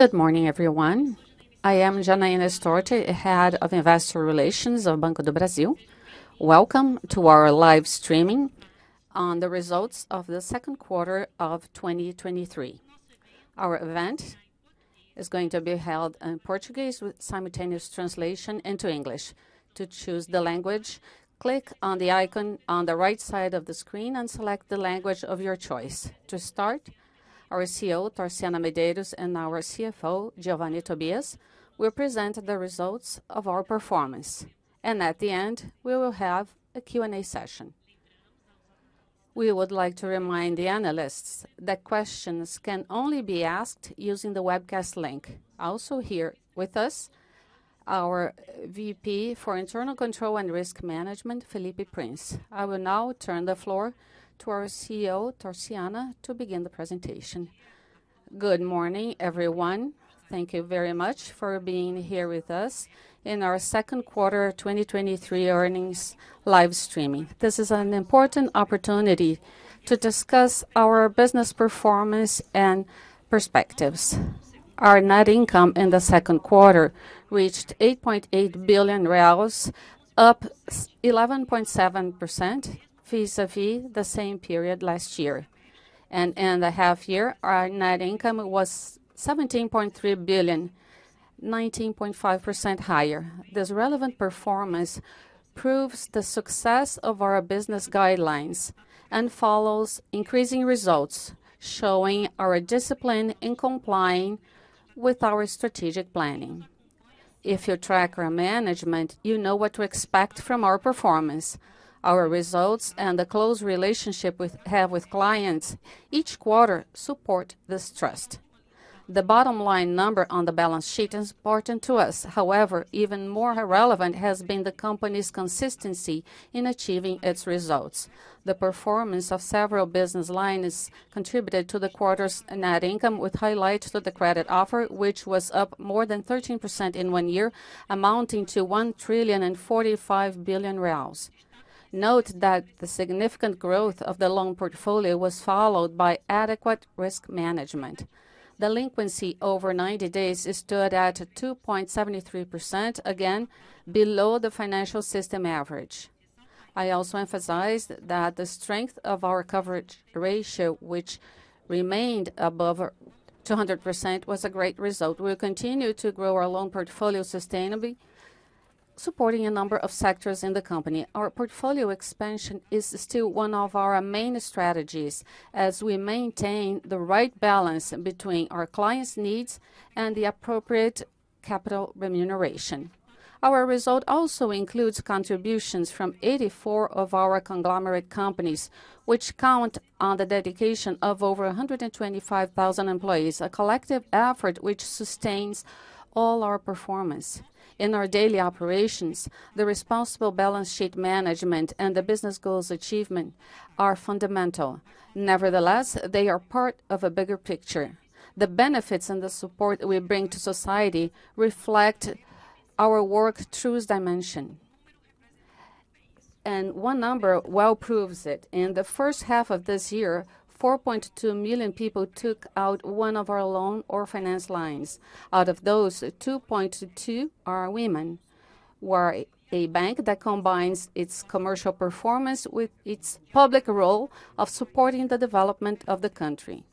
Good morning, everyone. I am Janaína Storti, Head of Investor Relations of Banco do Brasil. Welcome to our live streaming on the results of the Second Quarter of 2023. Our event is going to be held in Portuguese, with simultaneous translation into English. To choose the language, click on the icon on the right side of the screen and select the language of your choice. To start, our CEO, Tarciana Medeiros, and our CFO, Geovanne Tobias, will present the results of our performance, and at the end, we will have a Q&A session. We would like to remind the analysts that questions can only be asked using the webcast link. Also here with us, our VP for Internal Control and Risk Management, Felipe Prince. I will now turn the floor to our CEO, Tarciana, to begin the presentation. Good morning, everyone. Thank you very much for being here with us in our second quarter 2023 earnings live streaming. This is an important opportunity to discuss our business performance and perspectives. Our net income in the second quarter reached 8.8 billion reais, up 11.7%, vis-a-vis the same period last year, and in the half year, our net income was 17.3 billion, 19.5% higher. This relevant performance proves the success of our business guidelines and follows increasing results, showing our discipline in complying with our strategic planning. If you track our management, you know what to expect from our performance. Our results and the close relationship we have with clients, each quarter support this trust. The bottom line number on the balance sheet is important to us. However, even more relevant has been the company's consistency in achieving its results. The performance of several business lines contributed to the quarter's net income, with highlights to the credit offer, which was up more than 13% in one year, amounting to 1 trillion and 45 billion reais. Note that the significant growth of the loan portfolio was followed by adequate risk management. Delinquency over 90 days stood at 2.73%, again, below the financial system average. I also emphasize that the strength of our coverage ratio, which remained above 200%, was a great result. We'll continue to grow our loan portfolio sustainably, supporting a number of sectors in the company. Our portfolio expansion is still one of our main strategies as we maintain the right balance between our clients' needs and the appropriate capital remuneration. Our result also includes contributions from 84 of our conglomerate companies, which count on the dedication of over 125,000 employees, a collective effort which sustains all our performance. In our daily operations, the responsible balance sheet management and the business goals achievement are fundamental. Nevertheless, they are part of a bigger picture. The benefits and the support we bring to society reflect our work true's dimension. One number well proves it. In the first half of this year, 4.2 million people took out one of our loan or finance lines. Out of those, 2.2 million are women. We're a bank that combines its commercial performance with its public role of supporting the development of the country.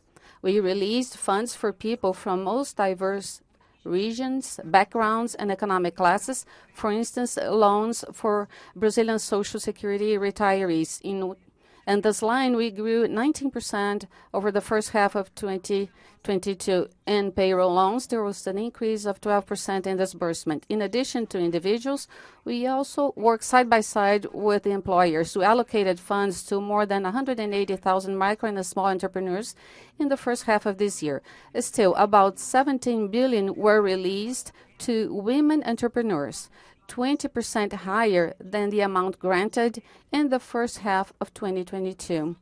We released funds for people from most diverse regions, backgrounds, and economic classes. For instance, loans for Brazilian Social Security retirees. In this line, we grew 19% over the first half of 2022. In payroll loans, there was an increase of 12% in disbursement. In addition to individuals, we also work side by side with the employers, who allocated funds to more than 180,000 micro and small entrepreneurs in the first half of this year. About 17 billion were released to women entrepreneurs, 20% higher than the amount granted in the first half of 2022.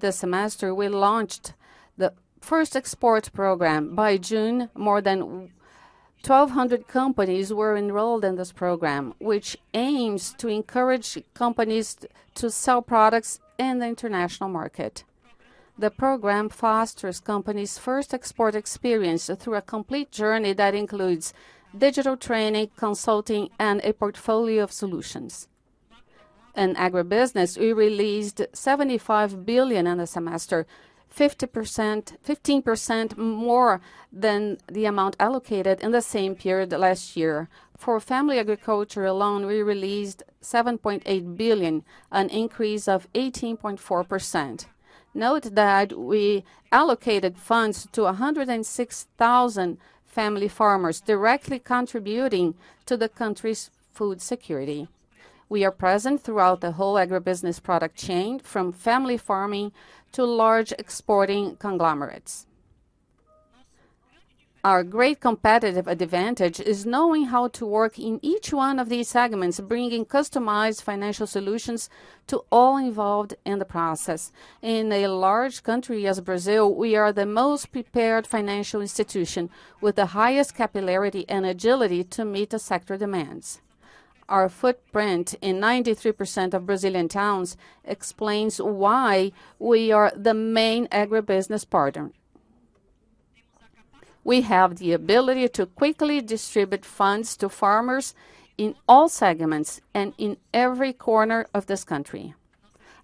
This semester, we launched the first export program. By June, more than 1,200 companies were enrolled in this program, which aims to encourage companies to sell products in the international market. The program fosters companies' first export experience through a complete journey that includes digital training, consulting, and a portfolio of solutions. In agribusiness, we released 75 billion in the semester, 15% more than the amount allocated in the same period last year. For family agriculture alone, we released 7.8 billion, an increase of 18.4%. Note that we allocated funds to 106,000 family farmers, directly contributing to the country's food security. We are present throughout the whole agribusiness product chain, from family farming to large exporting conglomerates. Our great competitive advantage is knowing how to work in each one of these segments, bringing customized financial solutions to all involved in the process. In a large country as Brazil, we are the most prepared financial institution, with the highest capillarity and agility to meet the sector demands. Our footprint in 93% of Brazilian towns explains why we are the main agribusiness partner. We have the ability to quickly distribute funds to farmers in all segments and in every corner of this country.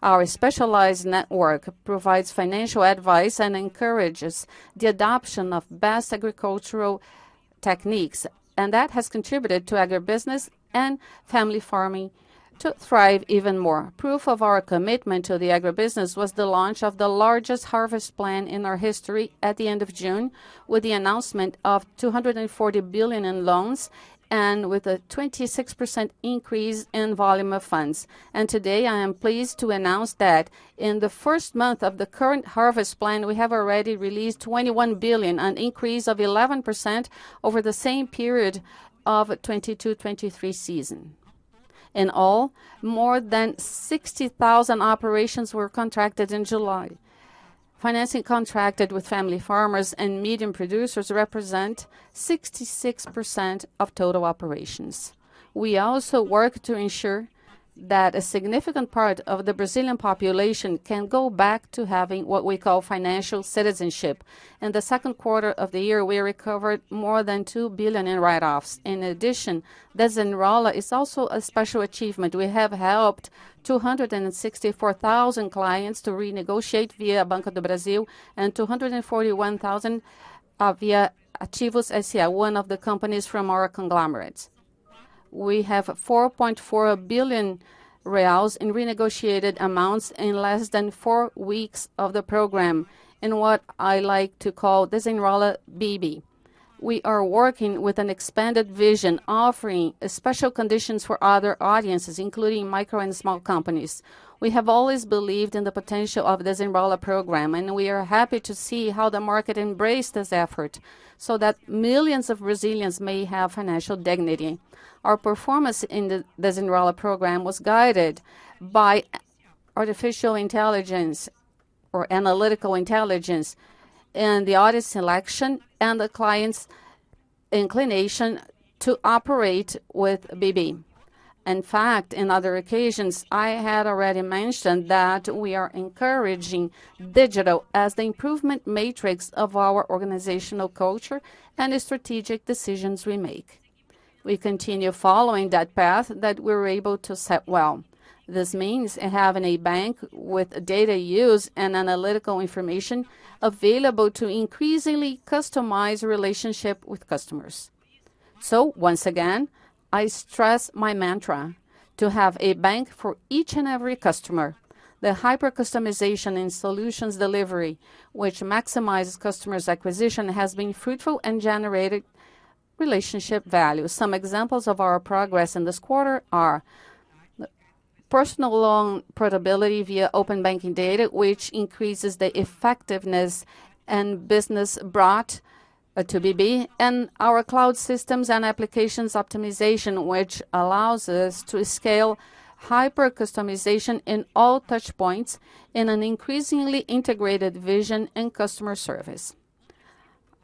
Our specialized network provides financial advice and encourages the adoption of best agricultural techniques, that has contributed to agribusiness and family farming to thrive even more. Proof of our commitment to the agribusiness was the launch of the largest harvest plan in our history at the end of June, with the announcement of 240 billion in loans and with a 26% increase in volume of funds. Today, I am pleased to announce that in the first month of the current harvest plan, we have already released 21 billion, an increase of 11% over the same period of 2022-2023 season. In all, more than 60,000 operations were contracted in July. Financing contracted with family farmers and medium producers represent 66% of total operations. We also work to ensure that a significant part of the Brazilian population can go back to having what we call financial citizenship. In the second quarter of the year, we recovered more than 2 billion in write-offs. Desenrola is also a special achievement. We have helped 264,000 clients to renegotiate via Banco do Brasil and 241,000 via Ativos S.A, one of the companies from our conglomerates. We have 4.4 billion reais in renegotiated amounts in less than four weeks of the program, in what I like to call Desenrola Brasil. We are working with an expanded vision, offering special conditions for other audiences, including micro and small companies. We have always believed in the potential of Desenrola program, and we are happy to see how the market embraced this effort, so that millions of Brazilians may have financial dignity. Our performance in the Desenrola program was guided by artificial intelligence or analytical intelligence, in the audit selection and the client's inclination to operate with BB. In fact, in other occasions, I had already mentioned that we are encouraging digital as the improvement matrix of our organizational culture and the strategic decisions we make. We continue following that path that we're able to set well. This means having a bank with data use and analytical information available to increasingly customize relationship with customers. Once again, I stress my mantra: to have a bank for each and every customer. The hyper-customization in solutions delivery, which maximizes customers' acquisition, has been fruitful and generated relationship value. Some examples of our progress in this quarter are, personal loan portability via open banking data, which increases the effectiveness and business brought to BB, and our cloud systems and applications optimization, which allows us to scale hyper-customization in all touch points in an increasingly integrated vision and customer service.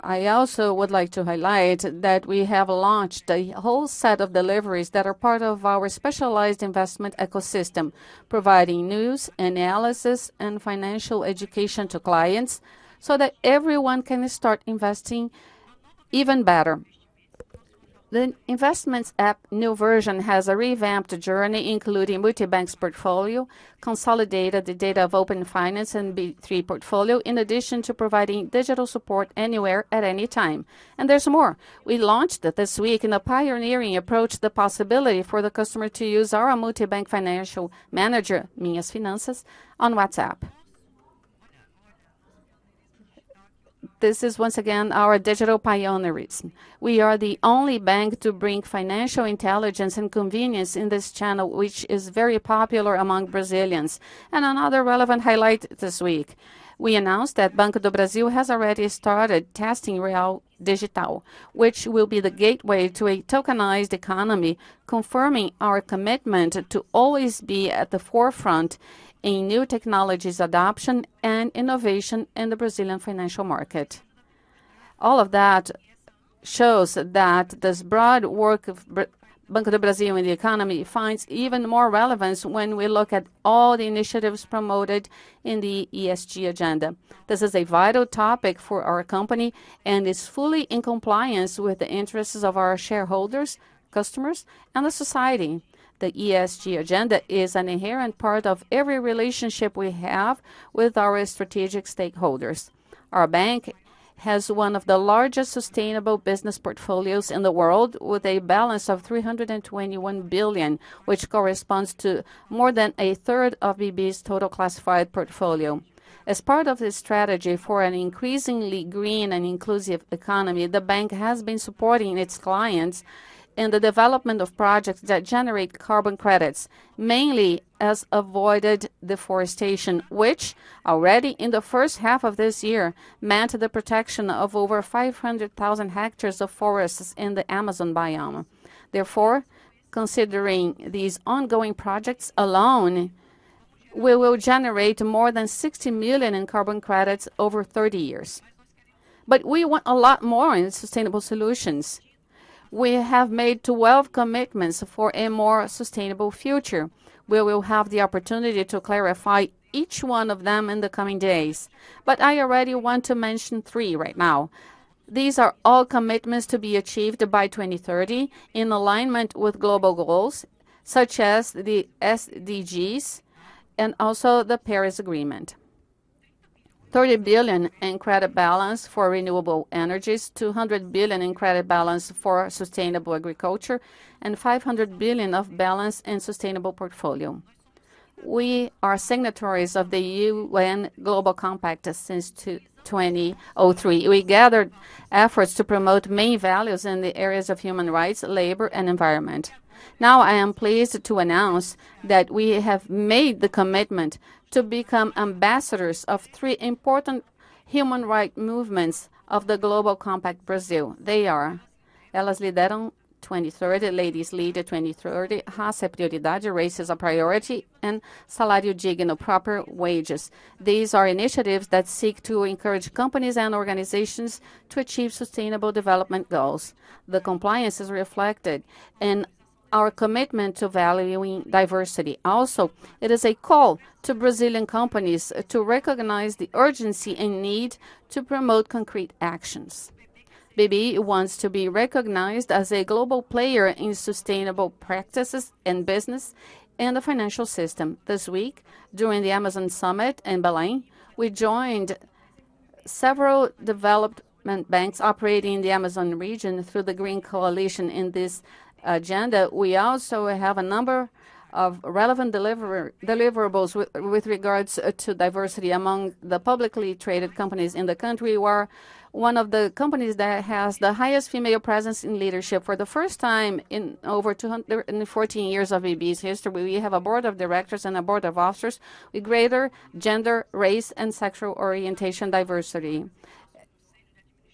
I also would like to highlight that we have launched a whole set of deliveries that are part of our specialized investment ecosystem, providing news, analysis, and financial education to clients so that everyone can start investing even better. The investments app new version has a revamped journey, including multibank's portfolio, consolidated the data of Open Finance and B3 portfolio, in addition to providing digital support anywhere, at any time. There's more. We launched this week in a pioneering approach, the possibility for the customer to use our multibank financial manager, Minhas Finanças, on WhatsApp. This is once again our digital pioneers. We are the only bank to bring financial intelligence and convenience in this channel, which is very popular among Brazilians. Another relevant highlight this week, we announced that Banco do Brasil has already started testing Real Digital, which will be the gateway to a tokenized economy, confirming our commitment to always be at the forefront in new technologies adoption and innovation in the Brazilian financial market. All of that shows that this broad work of Banco do Brasil in the economy finds even more relevance when we look at all the initiatives promoted in the ESG agenda. This is a vital topic for our company, and is fully in compliance with the interests of our shareholders, customers, and the society. The ESG agenda is an inherent part of every relationship we have with our strategic stakeholders. Our bank has one of the largest sustainable business portfolios in the world, with a balance of 321 billion, which corresponds to more than 1/3 of BB's total classified portfolio. As part of this strategy for an increasingly green and inclusive economy, the bank has been supporting its clients in the development of projects that generate carbon credits, mainly as avoided deforestation, which already in the first half of this year, meant the protection of over 500,000 hectares of forests in the Amazon biome. Therefore, considering these ongoing projects alone, we will generate more than 60 million in carbon credits over 30 years. We want a lot more in sustainable solutions. We have made 12 commitments for a more sustainable future. We will have the opportunity to clarify each one of them in the coming days, I already want to mention three right now. These are all commitments to be achieved by 2030, in alignment with global goals, such as the SDGs and also the Paris Agreement. 30 billion in credit balance for renewable energies, 200 billion in credit balance for sustainable agriculture, and 500 billion of balance and sustainable portfolio. We are signatories of the UN Global Compact since 2003. We gathered efforts to promote main values in the areas of human rights, labor, and environment. I am pleased to announce that we have made the commitment to become ambassadors of three important human right movements of the Global Compact, Brazil. They are: Elas Lideram 2030, Ladies Lead at 2030, Raça é Prioridade, Race is a Priority, and Salário Digno, Proper Wages. These are initiatives that seek to encourage companies and organizations to achieve sustainable development goals. The compliance is reflected in our commitment to valuing diversity. Also, it is a call to Brazilian companies to recognize the urgency and need to promote concrete actions. BB wants to be recognized as a global player in sustainable practices in business and the financial system. This week, during the Amazon Summit in Belém, we joined several development banks operating in the Amazon region through the Green Coalition in this agenda. We also have a number of relevant deliverables with regards to diversity among the publicly traded companies in the country. We're one of the companies that has the highest female presence in leadership. For the first time in over 214 years of BB's history, we have a board of directors and a board of officers with greater gender, race, and sexual orientation diversity.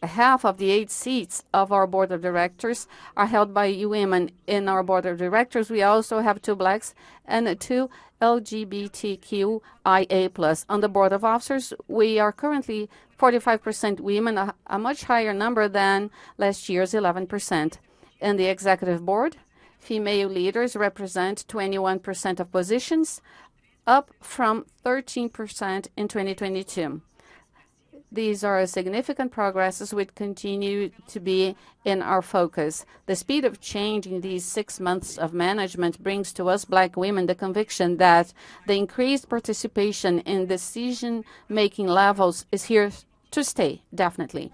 Half of the eight seats of our board of directors are held by women. In our board of directors, we also have two Blacks and two LGBTQIAPN+. On the board of officers, we are currently 45% women, a much higher number than last year's 11%. In the executive board, female leaders represent 21% of positions, up from 13% in 2022. These are significant progresses, which continue to be in our focus. The speed of change in these 6 months of management brings to us, Black women, the conviction that the increased participation in decision-making levels is here to stay, definitely.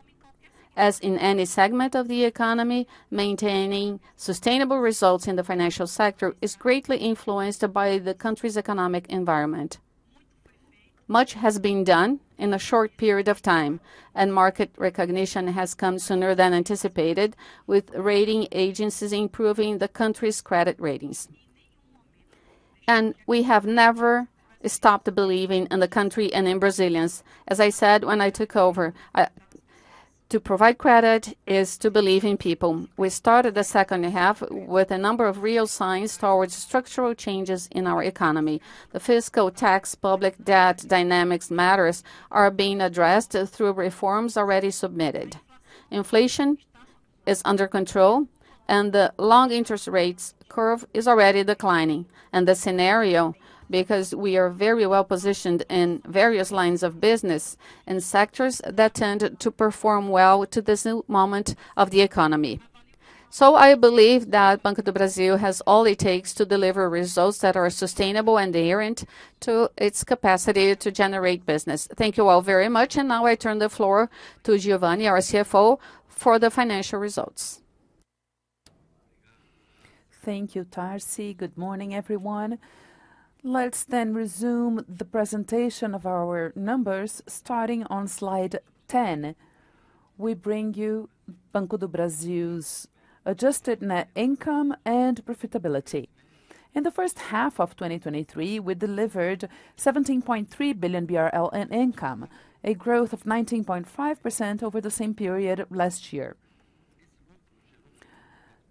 As in any segment of the economy, maintaining sustainable results in the financial sector is greatly influenced by the country's economic environment. Much has been done in a short period of time, and market recognition has come sooner than anticipated, with rating agencies improving the country's credit ratings. We have never stopped believing in the country and in Brazilians. As I said when I took over, to provide credit is to believe in people. We started the second half with a number of real signs towards structural changes in our economy. The fiscal tax, public debt, dynamics matters are being addressed through reforms already submitted. Inflation is under control, the long interest rates curve is already declining. The scenario, because we are very well-positioned in various lines of business and sectors that tend to perform well to this new moment of the economy. I believe that Banco do Brasil has all it takes to deliver results that are sustainable and adherent to its capacity to generate business. Thank you all very much. Now I turn the floor to Geovanne, our CFO, for the financial results. Thank you, Tarci. Good morning, everyone. Let's resume the presentation of our numbers, starting on slide 10. We bring you Banco do Brasil's adjusted net income and profitability. In the first half of 2023, we delivered 17.3 billion BRL in income, a growth of 19.5% over the same period last year.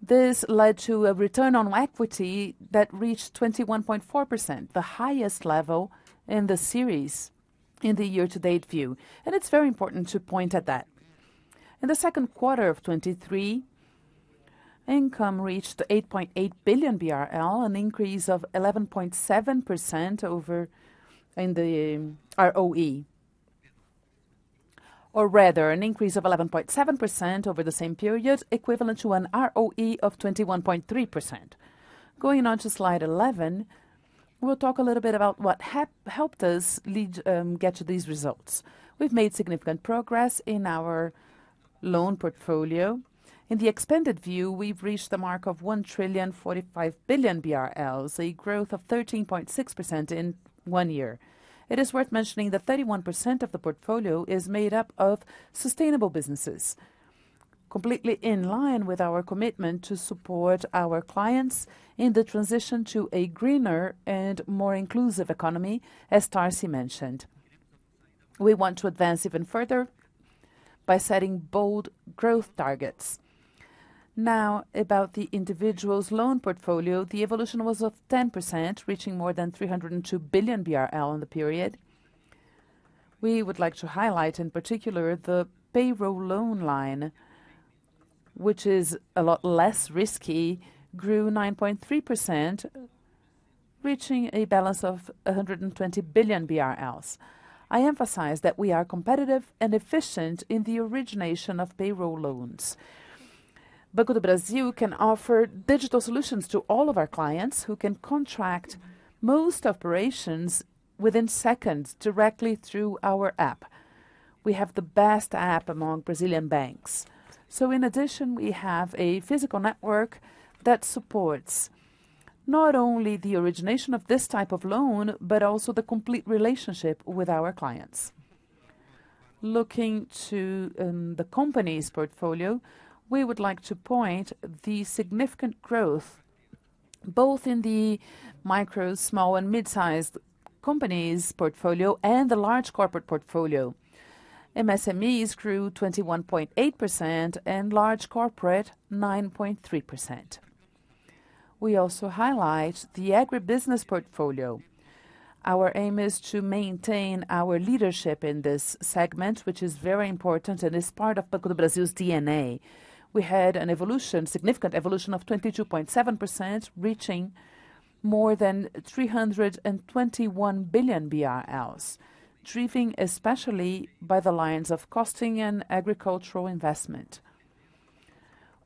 This led to a return on equity that reached 21.4%, the highest level in the series in the year-to-date view, and it's very important to point at that. In the second quarter of 2023, income reached 8.8 billion BRL, an increase of 11.7% in the ROE, or rather, an increase of 11.7% over the same period, equivalent to an ROE of 21.3%. Going on to slide 11, we'll talk a little bit about what helped us lead, get to these results. We've made significant progress in our loan portfolio. In the expanded view, we've reached the mark of 1,045 billion BRL, a growth of 13.6% in 1 year. It is worth mentioning that 31% of the portfolio is made up of sustainable businesses, completely in line with our commitment to support our clients in the transition to a greener and more inclusive economy, as Tarci mentioned. We want to advance even further by setting bold growth targets. About the individual's loan portfolio, the evolution was of 10%, reaching more than 302 billion BRL in the period. We would like to highlight, in particular, the payroll loan line, which is a lot less risky, grew 9.3%, reaching a balance of 120 billion BRL. I emphasize that we are competitive and efficient in the origination of payroll loans. Banco do Brasil can offer digital solutions to all of our clients, who can contract most operations within seconds, directly through our app. We have the best app among Brazilian banks. In addition, we have a physical network that supports not only the origination of this type of loan, but also the complete relationship with our clients. Looking to the company's portfolio, we would like to point the significant growth, both in the micro, small, and mid-sized companies' portfolio and the large corporate portfolio. MSMEs grew 21.8% and large corporate, 9.3%. We also highlight the agribusiness portfolio. Our aim is to maintain our leadership in this segment, which is very important and is part of Banco do Brasil's DNA. We had an evolution, significant evolution of 22.7%, reaching more than 321 billion BRL, driven especially by the lines of costing and agricultural investment.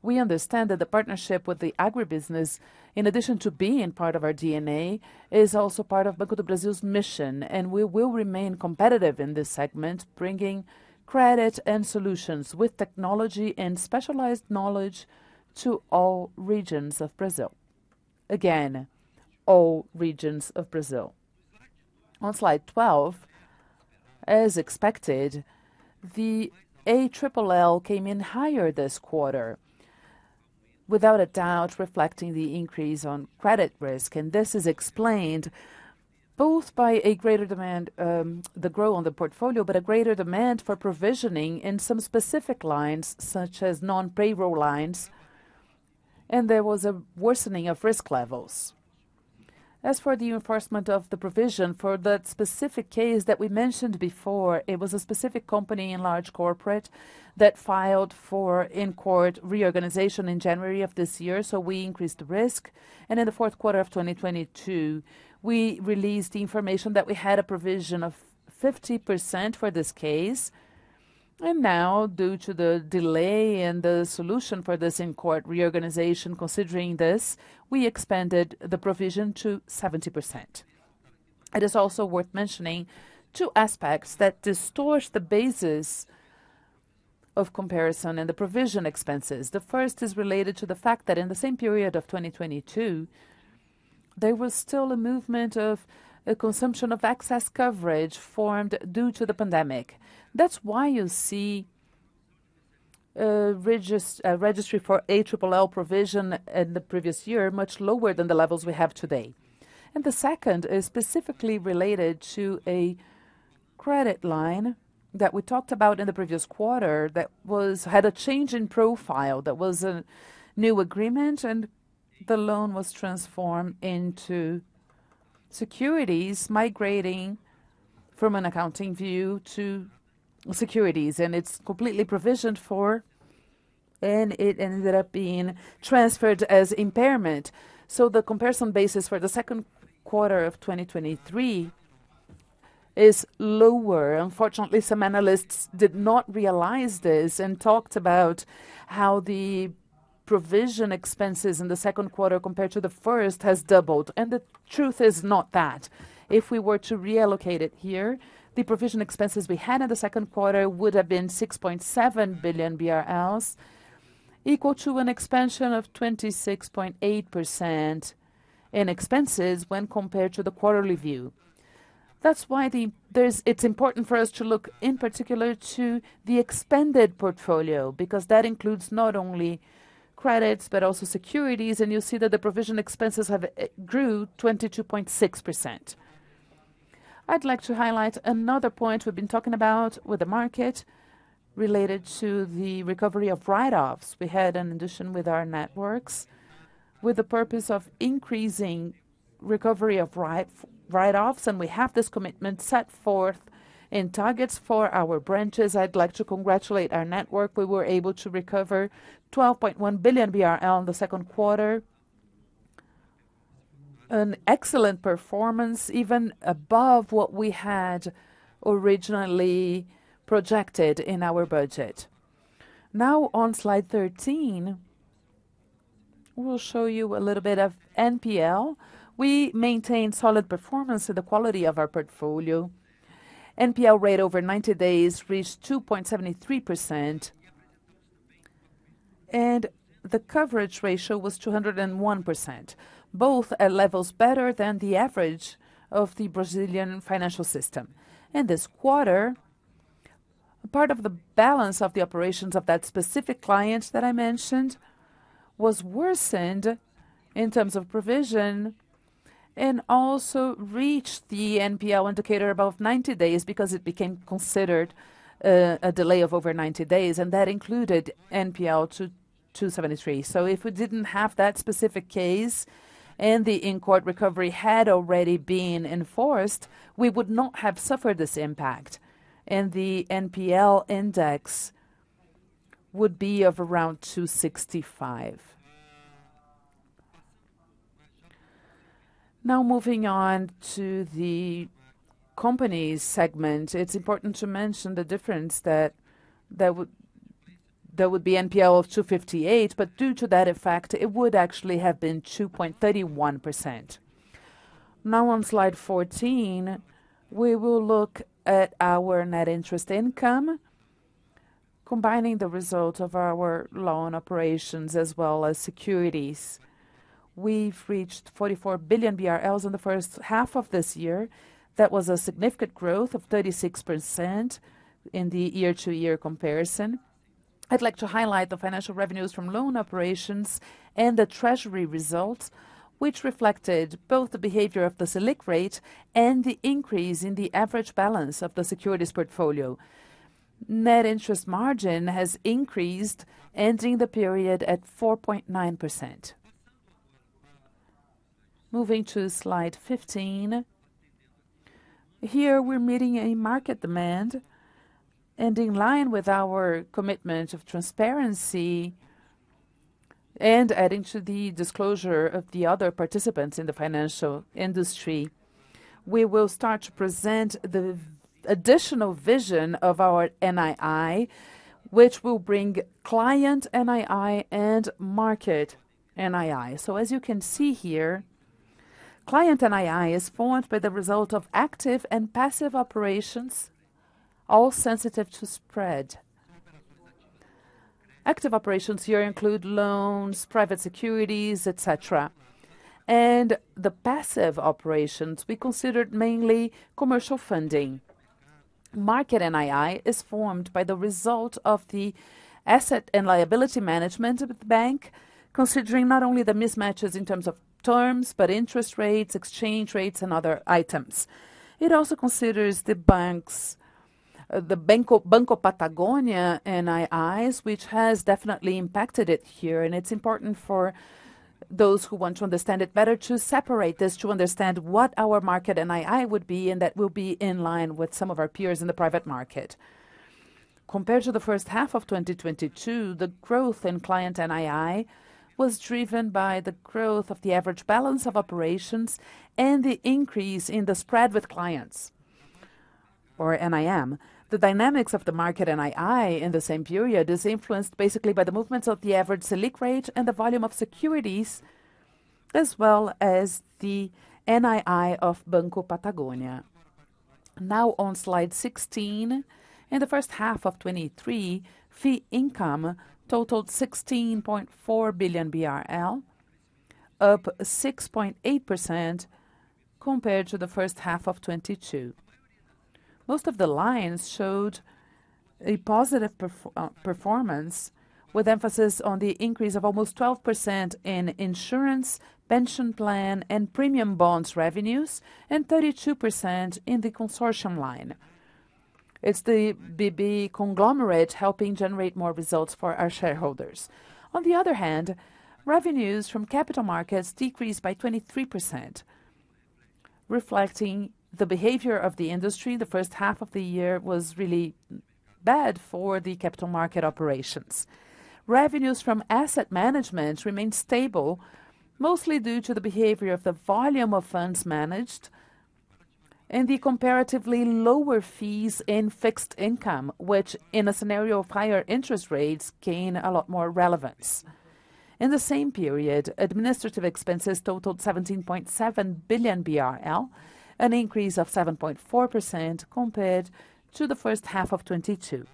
We understand that the partnership with the agribusiness, in addition to being part of our DNA, is also part of Banco do Brasil's mission, and we will remain competitive in this segment, bringing credit and solutions with technology and specialized knowledge to all regions of Brazil. Again, all regions of Brazil. On slide 12, as expected, the ALLL came in higher this quarter, without a doubt, reflecting the increase on credit risk, and this is explained both by a greater demand, the growth on the portfolio, but a greater demand for provisioning in some specific lines, such as non-payroll lines, and there was a worsening of risk levels. As for the enforcement of the provision, for that specific case that we mentioned before, it was a specific company in large corporate that filed for in-court reorganization in January of this year, so we increased the risk, and in the fourth quarter of 2022, we released the information that we had a provision of 50% for this case, and now, due to the delay in the solution for this in-court reorganization, considering this, we expanded the provision to 70%. It is also worth mentioning two aspects that distort the basis of comparison and the provision expenses. The first is related to the fact that in the same period of 2022, there was still a movement of a consumption of excess coverage formed due to the pandemic. That's why you see registry for ALLL provision in the previous year, much lower than the levels we have today. The second is specifically related to a credit line that we talked about in the previous quarter that had a change in profile, that was a new agreement, and the loan was transformed into securities, migrating from an accounting view to securities, and it's completely provisioned for, and it ended up being transferred as impairment. The comparison basis for the second quarter of 2023 is lower. Unfortunately, some analysts did not realize this and talked about how the provision expenses in the second quarter compared to the first, has doubled. The truth is not that. If we were to reallocate it here, the provision expenses we had in the second quarter would have been 6.7 billion BRL, equal to an expansion of 26.8% in expenses when compared to the quarterly view. That's why it's important for us to look in particular to the expanded portfolio, because that includes not only credits, but also securities, and you'll see that the provision expenses have grew 22.6%. I'd like to highlight another point we've been talking about with the market related to the recovery of write-offs. We had an addition with our networks with the purpose of increasing recovery of write, write-offs, and we have this commitment set forth in targets for our branches. I'd like to congratulate our network. We were able to recover 12.1 billion BRL in the second quarter. An excellent performance, even above what we had originally projected in our budget. Now, on slide 13, we'll show you a little bit of NPL. We maintained solid performance in the quality of our portfolio. NPL rate over 90 days reached 2.73%, and the coverage ratio was 201%, both at levels better than the average of the Brazilian financial system. In this quarter, part of the balance of the operations of that specific client that I mentioned was worsened in terms of provision and also reached the NPL indicator above 90 days, because it became considered a delay of over 90 days, and that included NPL 2.73%. If we didn't have that specific case, and the in-court reorganization had already been enforced, we would not have suffered this impact, and the NPL index would be of around 2.65%. Moving on to the company segment, it's important to mention the difference that there would, there would be NPL of 2.58%, due to that effect, it would actually have been 2.31%. On slide 14, we will look at our net interest income, combining the result of our loan operations as well as securities. We've reached 44 billion BRL in the first half of this year. That was a significant growth of 36% in the year-over-year comparison. I'd like to highlight the financial revenues from loan operations and the treasury results, which reflected both the behavior of the Selic rate and the increase in the average balance of the securities portfolio. Net interest margin has increased, ending the period at 4.9%. Moving to slide 15. Here, we're meeting a market demand, and in line with our commitment of transparency, and adding to the disclosure of the other participants in the financial industry, we will start to present the additional vision of our NII, which will bring client NII and market NII. As you can see here, client NII is formed by the result of active and passive operations, all sensitive to spread. Active operations here include loans, private securities, et cetera. The passive operations, we considered mainly commercial funding. Market NII is formed by the result of the asset and liability management of the bank, considering not only the mismatches in terms of terms, but interest rates, exchange rates, and other items. It also considers the Banco Patagonia NIIs, which has definitely impacted it here. It's important for those who want to understand it better, to separate this, to understand what our market NII would be, and that will be in line with some of our peers in the private market. Compared to the first half of 2022, the growth in client NII was driven by the growth of the average balance of operations and the increase in the spread with clients or NIM. The dynamics of the market NII in the same period is influenced basically by the movements of the average Selic rate and the volume of securities, as well as the NII of Banco Patagonia. On slide 16. In the first half of 2023, fee income totaled 16.4 billion BRL, up 6.8% compared to the first half of 2022. Most of the lines showed a positive performance, with emphasis on the increase of almost 12% in insurance, pension plan, and premium bonds revenues, and 32% in the consortium line. It's the BB conglomerate helping generate more results for our shareholders. On the other hand, revenues from capital markets decreased by 23%, reflecting the behavior of the industry. The first half of the year was really bad for the capital market operations. Revenues from asset management remained stable, mostly due to the behavior of the volume of funds managed and the comparatively lower fees in fixed income, which, in a scenario of higher interest rates, gain a lot more relevance. In the same period, administrative expenses totaled 17.7 billion BRL, an increase of 7.4% compared to the first half of 2022.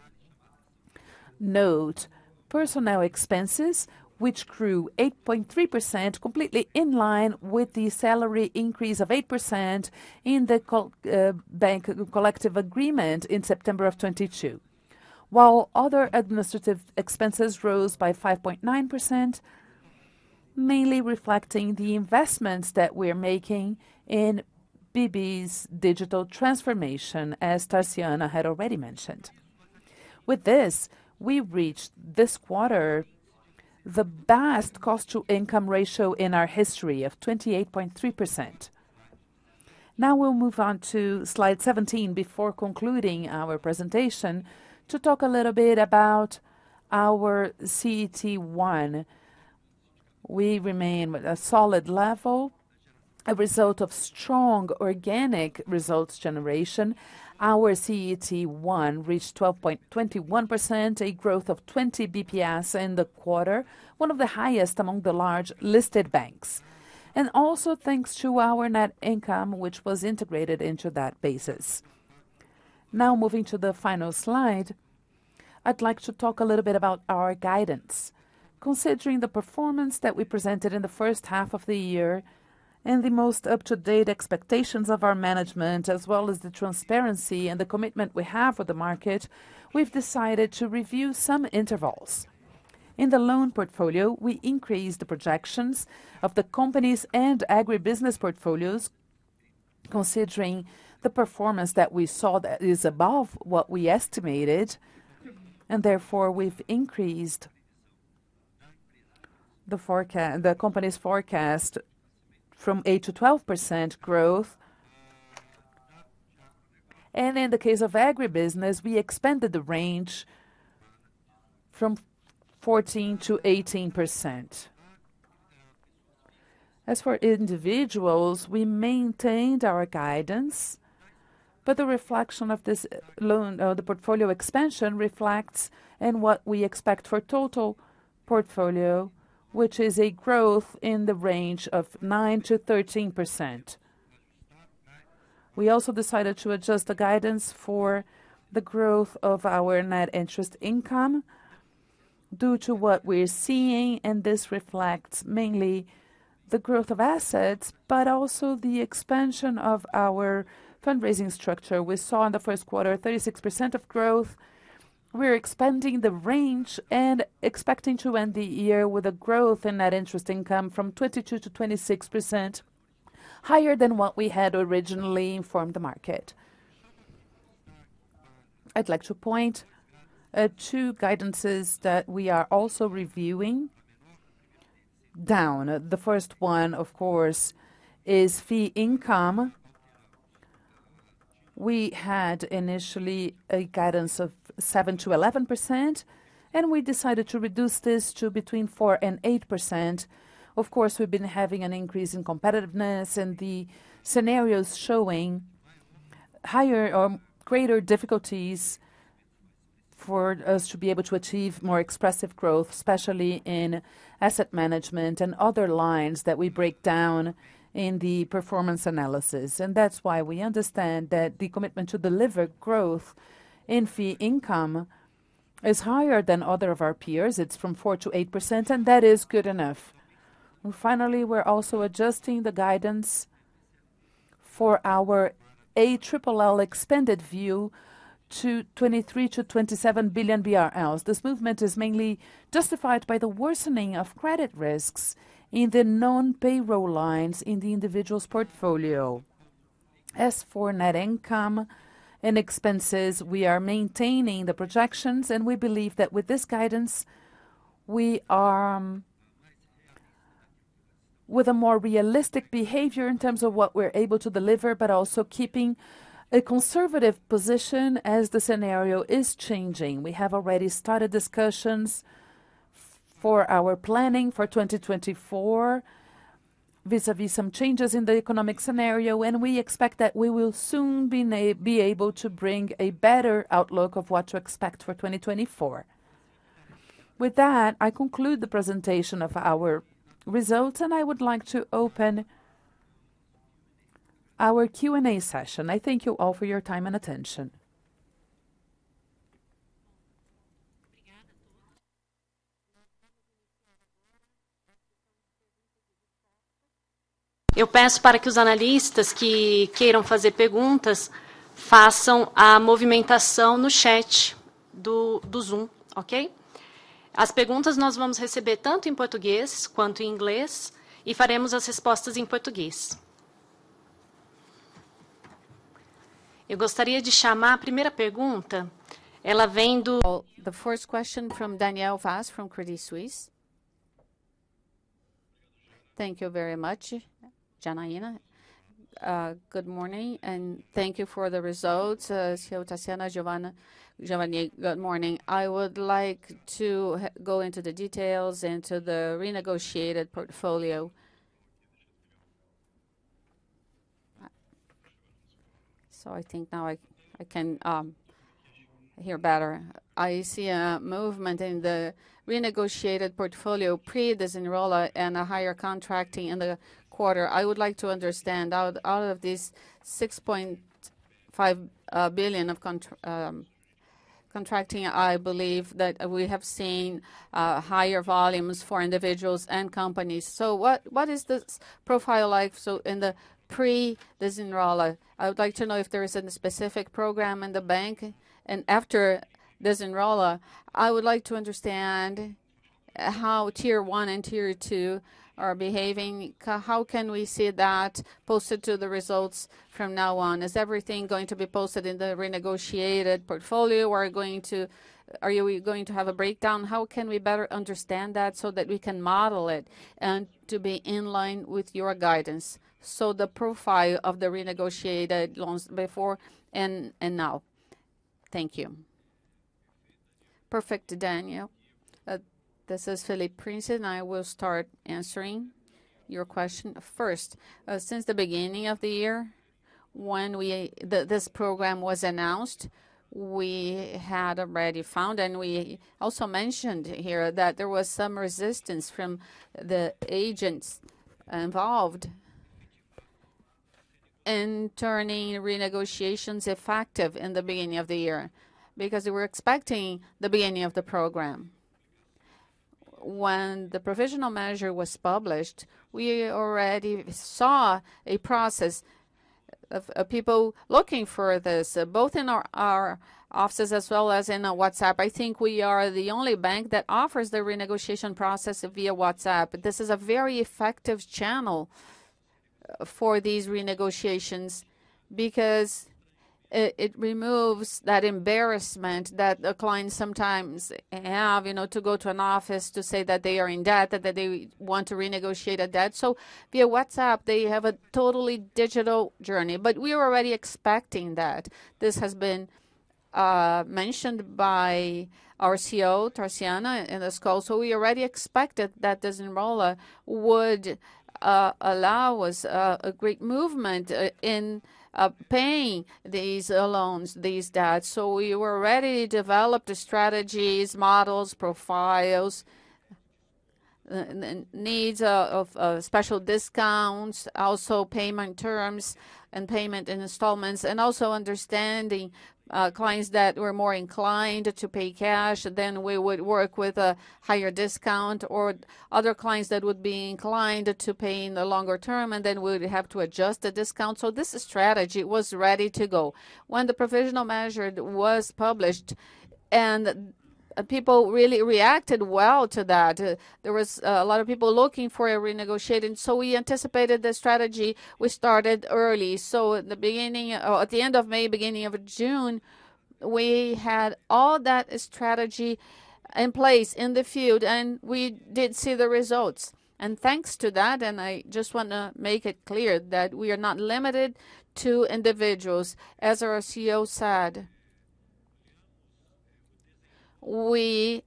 Note. Personnel expenses, which grew 8.3%, completely in line with the salary increase of 8% in the bank collective agreement in September of 2022. While other administrative expenses rose by 5.9%, mainly reflecting the investments that we're making in BB's digital transformation, as Tarciana had already mentioned. With this, we reached, this quarter, the best cost-to-income ratio in our history of 28.3%. Now we'll move on to slide 17 before concluding our presentation, to talk a little bit about our CET1. We remain with a solid level, a result of strong organic results generation. Our CET1 reached 12.21%, a growth of 20 bps in the quarter, one of the highest among the large listed banks, and also thanks to our net income, which was integrated into that basis. Now moving to the final slide, I'd like to talk a little bit about our guidance. Considering the performance that we presented in the first half of the year and the most up-to-date expectations of our management, as well as the transparency and the commitment we have with the market, we've decided to review some intervals. In the loan portfolio, we increased the projections of the companies and agribusiness portfolios, considering the performance that we saw that is above what we estimated, and therefore, we've increased the company's forecast from 8%-12% growth. In the case of agribusiness, we expanded the range from 14%-18%. As for individuals, we maintained our guidance, but the reflection of this loan, the portfolio expansion reflects in what we expect for total portfolio, which is a growth in the range of 9%-13%. We also decided to adjust the guidance for the growth of our net interest income due to what we're seeing, this reflects mainly the growth of assets, but also the expansion of our fundraising structure. We saw in the first quarter, 36% of growth. We're expanding the range and expecting to end the year with a growth in net interest income from 22%-26% higher than what we had originally informed the market. I'd like to point two guidances that we are also reviewing down. The first one, of course, is fee income. We had initially a guidance of 7%-11%, we decided to reduce this to between 4% and 8%. Of course, we've been having an increase in competitiveness and the scenarios showing higher or greater difficulties for us to be able to achieve more expressive growth, especially in asset management and other lines that we break down in the performance analysis. That's why we understand that the commitment to deliver growth in fee income is higher than other of our peers. It's from 4%-8%, and that is good enough. Finally, we're also adjusting the guidance for our ALLL expanded view to 23 billion-27 billion BRL. This movement is mainly justified by the worsening of credit risks in the non-payroll lines in the individuals portfolio. As for net income and expenses, we are maintaining the projections. We believe that with this guidance, we are with a more realistic behavior in terms of what we're able to deliver, but also keeping a conservative position as the scenario is changing. We have already started discussions for our planning for 2024, vis-à-vis some changes in the economic scenario. We expect that we will soon be able to bring a better outlook of what to expect for 2024. With that, I conclude the presentation of our results. I would like to open our Q&A session. I thank you all for your time and attention. The first question from Daniel Vaz, from Credit Suisse. Thank you very much, Janaína. Good morning, thank you for the results. CEO Tarciana, Geovanne, good morning. I would like to go into the details into the renegotiated portfolio. I think now I can hear better. I see a movement in the renegotiated portfolio, pre-Desenrola, and a higher contracting in the quarter. I would like to understand, out of these 6.5 billion of contracting, I believe that we have seen higher volumes for individuals and companies. What is this profile like in the pre-Desenrola? I would like to know if there is any specific program in the bank. After Desenrola, I would like to understand how Tier 1 and Tier 2 are behaving. How can we see that posted to the results from now on? Is everything going to be posted in the renegotiated portfolio, or are you going to have a breakdown? How can we better understand that so that we can model it and to be in line with your guidance? The profile of the renegotiated loans before and, and now. Thank you. Perfect, Daniel. This is Felipe Prince. I will start answering your question. First, since the beginning of the year, when this program was announced, we had already found. We also mentioned here that there was some resistance from the agents involved in turning renegotiations effective in the beginning of the year because they were expecting the beginning of the program. When the provisional measure was published, we already saw a process of people looking for this, both in our, our offices as well as in WhatsApp. I think we are the only bank that offers the renegotiation process via WhatsApp. This is a very effective channel for these renegotiations, because it removes that embarrassment that the clients sometimes have, you know, to go to an office to say that they are in debt and that they want to renegotiate a debt. Via WhatsApp, they have a totally digital journey. We were already expecting that. This has been mentioned by our CEO, Tarciana, in this call, so we already expected that Desenrola would allow us a great movement in paying these loans, these debts. We already developed the strategies, models, profiles, and needs of special discounts, also payment terms and payment installments, and also understanding clients that were more inclined to pay cash, then we would work with a higher discount, or other clients that would be inclined to pay in the longer term, and then we would have to adjust the discount. This strategy was ready to go. When the provisional measure was published and people really reacted well to that, there was a lot of people looking for a renegotiating, so we anticipated the strategy. We started early. At the end of May, beginning of June, we had all that strategy in place in the field, and we did see the results. Thanks to that, and I just wanna make it clear, that we are not limited to individuals, as our CEO said. We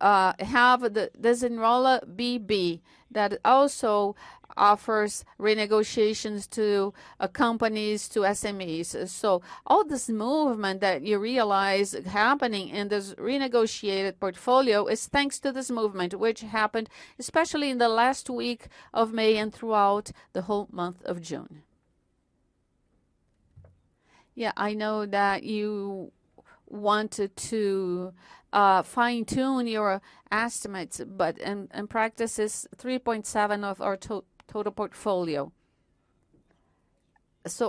have this Desenrola BB, that also offers renegotiations to companies, to SMEs. All this movement that you realize happening in this renegotiated portfolio is thanks to this movement, which happened especially in the last week of May and throughout the whole month of June. Yeah, I know that you wanted to fine-tune your estimates, but in, in practice, it's 3.7 of our total portfolio.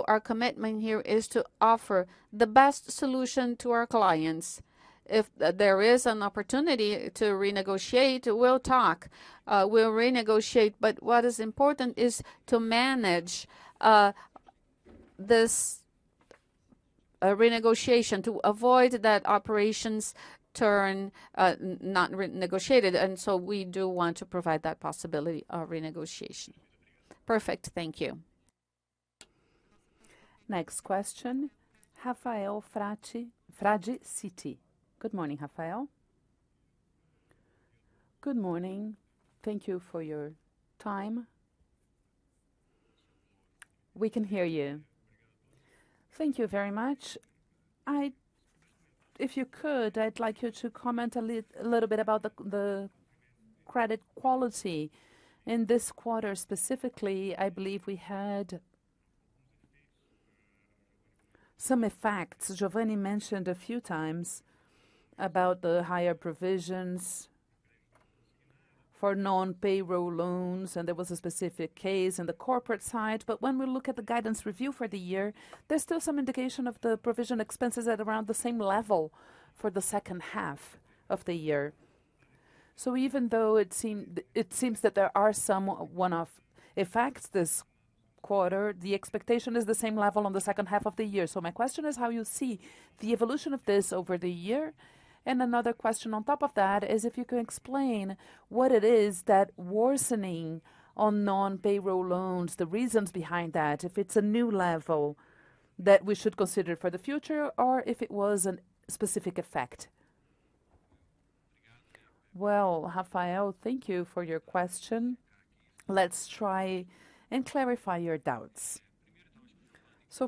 Our commitment here is to offer the best solution to our clients. If there is an opportunity to renegotiate, we'll talk, we'll renegotiate. What is important is to manage this renegotiation, to avoid that operations turn not renegotiated, and so we do want to provide that possibility of renegotiation. Perfect. Thank you. Next question, Raphael Laffranchi, Citi. Good morning, Raphael. Good morning. Thank you for your time. We can hear you. Thank you very much. If you could, I'd like you to comment a little bit about the credit quality. In this quarter specifically, I believe we had some effects. Geovanne mentioned a few times about the higher provisions for non-payroll loans, and there was a specific case in the corporate side. When we look at the guidance review for the year, there's still some indication of the provision expenses at around the same level for the second half of the year. Even though it seems that there are some one-off effects this quarter, the expectation is the same level on the second half of the year. My question is, how you see the evolution of this over the year? Another question on top of that is if you can explain what it is, that worsening on non-payroll loans, the reasons behind that, if it's a new level that we should consider for the future, or if it was a specific effect? Well, Raphael, thank you for your question. Let's try and clarify your doubts.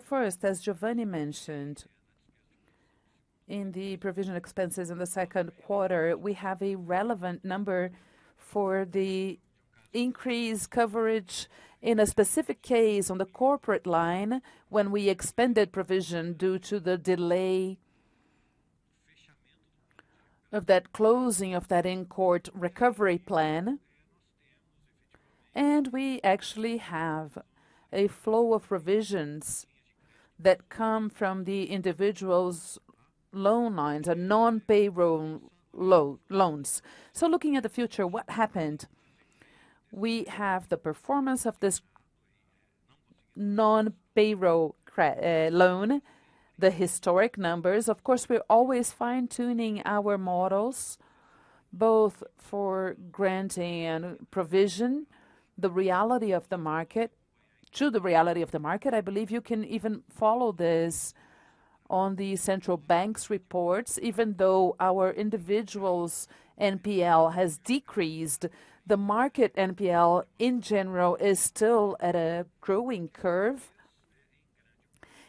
First, as Geovanne mentioned, in the provision expenses in the second quarter, we have a relevant number for the increased coverage in a specific case on the corporate line, when we expended provision due to the delay of that closing of that in-court recovery plan, and we actually have a flow of provisions that come from the individual's loan lines and non-payroll loans. Looking at the future, what happened? We have the performance of this non-payroll loan, the historic numbers. Of course, we're always fine-tuning our models, both for granting and provision, the reality of the market, to the reality of the market. I believe you can even follow this on the Central Bank's reports. Even though our individuals NPL has decreased, the market NPL in general is still at a growing curve.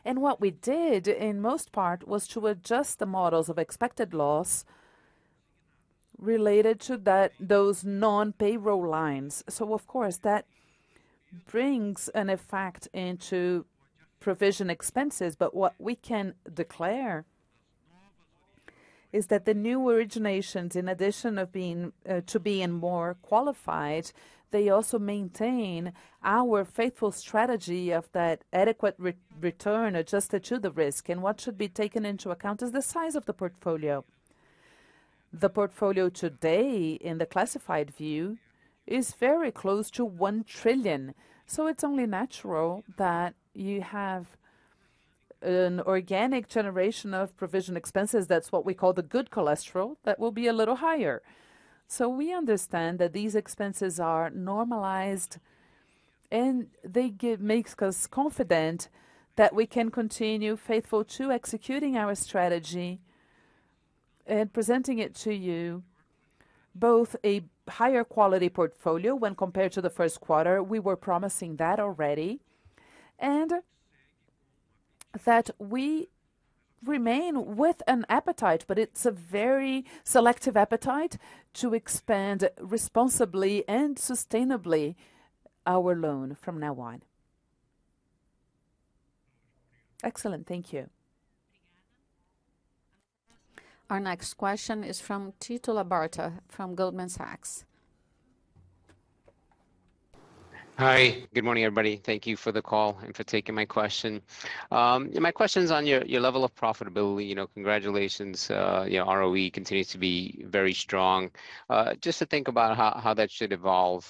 What we did, in most part, was to adjust the models of expected loss related to that, those non-payroll lines. Of course, that brings an effect into provision expenses, but what we can declare is that the new originations, in addition of being, to being more qualified, they also maintain our faithful strategy of that adequate re-return adjusted to the risk. What should be taken into account is the size of the portfolio. The portfolio today, in the classified view, is very close to 1 trillion, it's only natural that you have an organic generation of provision expenses, that's what we call the good cholesterol, that will be a little higher. We understand that these expenses are normalized, and they makes us confident that we can continue, faithful to executing our strategy and presenting it to you, both a higher quality portfolio when compared to the first quarter, we were promising that already, and that we remain with an appetite, but it's a very selective appetite, to expand responsibly and sustainably our loan from now on. Excellent. Thank you. Our next question is from Tito Labarta, from Goldman Sachs. Hi, good morning, everybody. Thank you for the call and for taking my question. My question's on your, your level of profitability. You know, congratulations, your ROE continues to be very strong. Just to think about how, how that should evolve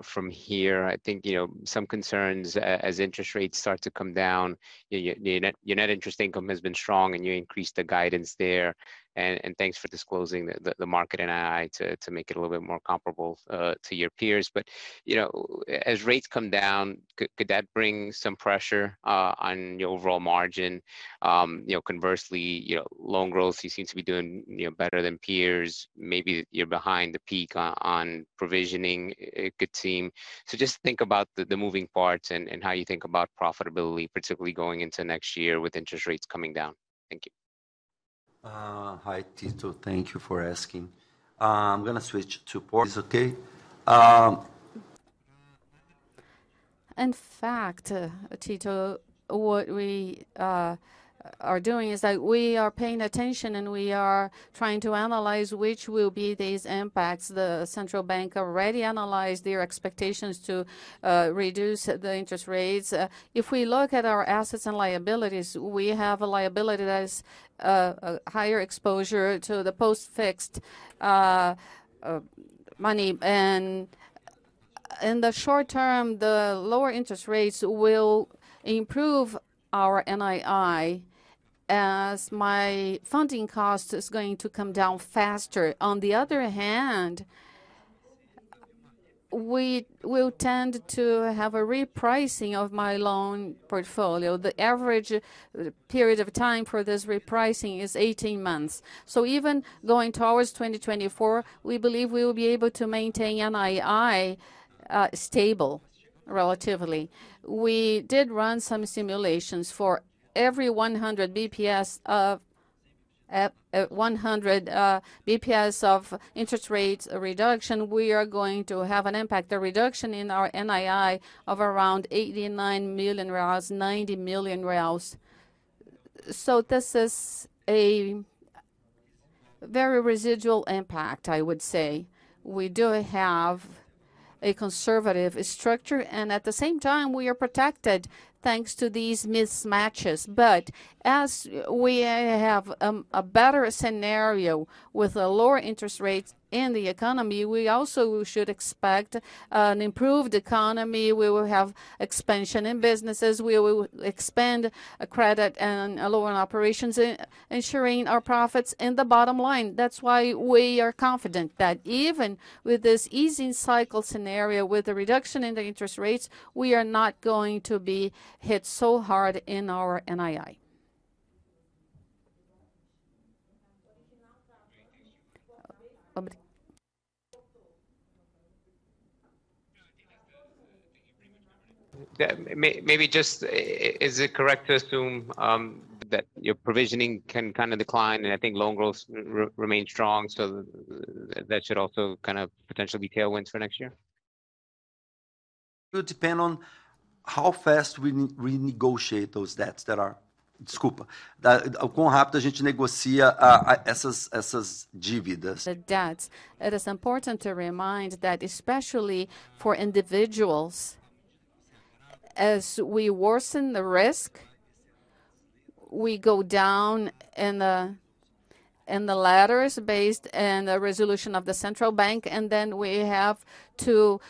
from here. I think, you know, some concerns as interest rates start to come down, your, your net, your net interest income has been strong, and you increased the guidance there. Thanks for disclosing the, the, the market NII to, to make it a little bit more comparable to your peers. You know, as rates come down, could, could that bring some pressure on your overall margin? You know, conversely, you know, loan growth, you seem to be doing, you know, better than peers. Maybe you're behind the peak on, on provisioning, it could seem. Just think about the, the moving parts and, and how you think about profitability, particularly going into next year with interest rates coming down. Thank you. Hi, Tito. Thank you for asking. I'm gonna switch to Port, is okay? In fact, Tito, what we are doing is that we are paying attention, we are trying to analyze which will be these impacts. The Central Bank already analyzed their expectations to reduce the interest rates. If we look at our assets and liabilities, we have a liability that is a higher exposure to the post-fixed money. In the short term, the lower interest rates will improve our NII, as my funding cost is going to come down faster. On the other hand, we will tend to have a repricing of my loan portfolio. The average period of time for this repricing is 18 months. Even going towards 2024, we believe we will be able to maintain NII stable, relatively. We did run some simulations. For every 100 basis points of 100 basis points of interest rates reduction, we are going to have an impact, a reduction in our NII of around 89 million reais, 90 million reais. This is a very residual impact, I would say. We do have a conservative structure, and at the same time, we are protected thanks to these mismatches. As we have a better scenario with the lower interest rates in the economy, we also should expect an improved economy. We will have expansion in businesses. We will expand credit and loan operations, ensuring our profits in the bottom line. That's why we are confident that even with this easing cycle scenario, with the reduction in the interest rates, we are not going to be hit so hard in our NII. Yeah. Maybe just, is it correct to assume, that your provisioning can kind of decline, and I think loan growth remains strong, so that should also kind of potentially be tailwinds for next year? It will depend on how fast we re-negotiate those debts that are-- The debts. It is important to remind that, especially for individuals, as we worsen the risk, we go down in the ladders based on the resolution of the Central Bank, and then we have to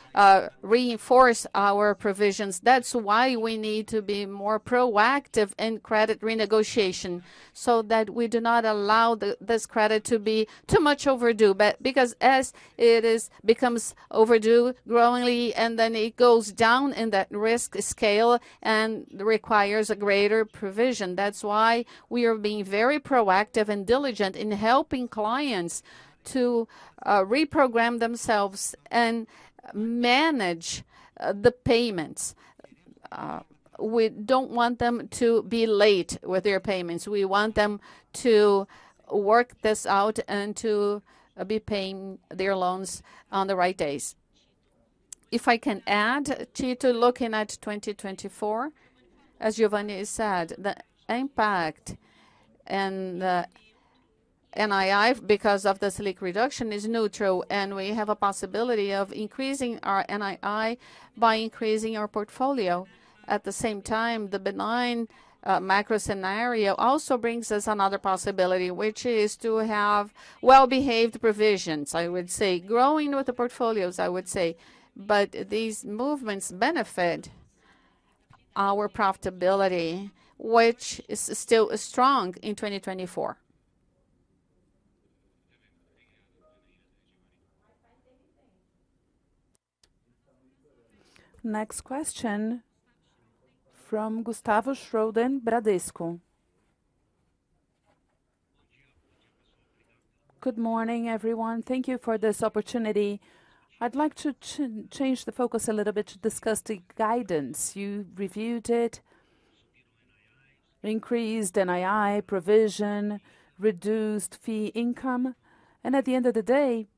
reinforce our provisions. That's why we need to be more proactive in credit renegotiation, so that we do not allow this credit to be too much overdue. Because as it is, becomes overdue growingly, and then it goes down in that risk scale and requires a greater provision. That's why we are being very proactive and diligent in helping clients to reprogram themselves and manage the payments. We don't want them to be late with their payments. We want them to work this out and to be paying their loans on the right days. If I can add, Tito, looking at 2024, as Geovanne said, the impact and the NII, because of the Selic reduction, is neutral. We have a possibility of increasing our NII by increasing our portfolio. At the same time, the benign macro scenario also brings us another possibility, which is to have well-behaved provisions, I would say, growing with the portfolios, I would say. These movements benefit our profitability, which is still strong in 2024. Next question from Gustavo Schroden, Bradesco. Good morning, everyone. Thank you for this opportunity. I'd like to change the focus a little bit to discuss the guidance. You reviewed it, increased NII provision, reduced fee income, and at the end of the day,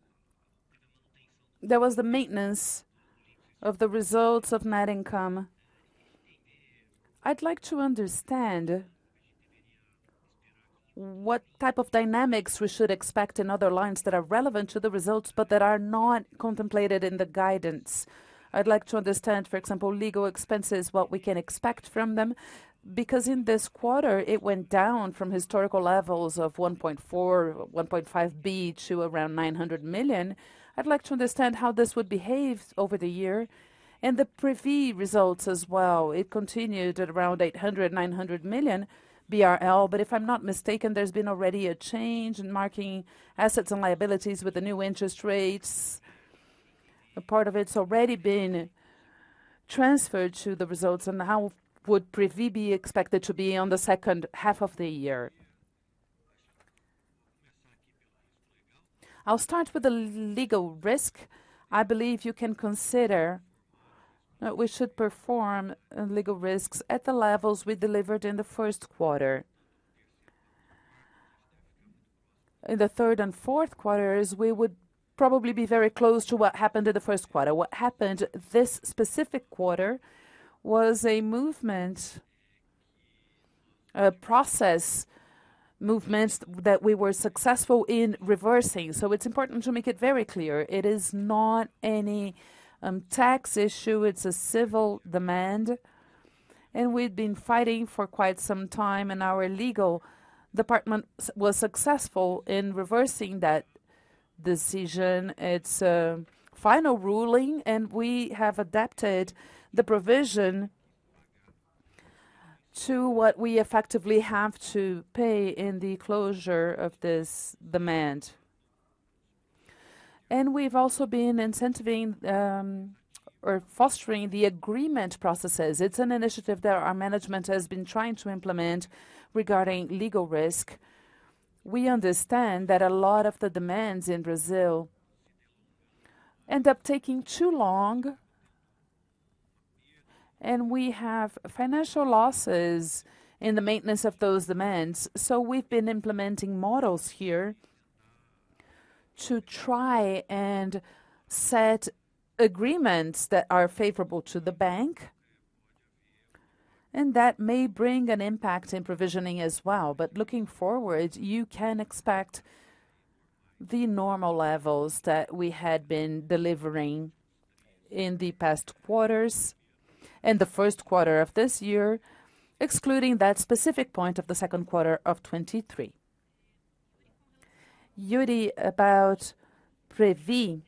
there was the maintenance of the results of net income. I'd like to understand, what type of dynamics we should expect in other lines that are relevant to the results, but that are not contemplated in the guidance? I'd like to understand, for example, legal expenses, what we can expect from them, because in this quarter, it went down from historical levels of 1.4 billion-1.5 billion to around 900 million. I'd like to understand how this would behave over the year and the Previ results as well. It continued at around 800 million, 900 million BRL, If I'm not mistaken, there's been already a change in marking assets and liabilities with the new interest rates. A part of it's already been transferred to the results. How would Previ be expected to be on the second half of the year? I'll start with the legal risk. I believe you can consider that we should perform legal risks at the levels we delivered in the first quarter. In the third and fourth quarters, we would probably be very close to what happened in the first quarter. What happened this specific quarter was a movement, a process, movements that we were successful in reversing. It's important to make it very clear, it is not any tax issue, it's a civil demand, and we've been fighting for quite some time, and our legal department was successful in reversing that decision. It's a final ruling, we have adapted the provision to what we effectively have to pay in the closure of this demand. We've also been incentivizing or fostering the agreement processes. It's an initiative that our management has been trying to implement regarding legal risk. We understand that a lot of the demands in Brazil end up taking too long, and we have financial losses in the maintenance of those demands. We've been implementing models here to try and set agreements that are favorable to the bank, and that may bring an impact in provisioning as well. Looking forward, you can expect the normal levels that we had been delivering in the past quarters, and the first quarter of this year, excluding that specific point of the second quarter of 2023. Yuri, about Previ,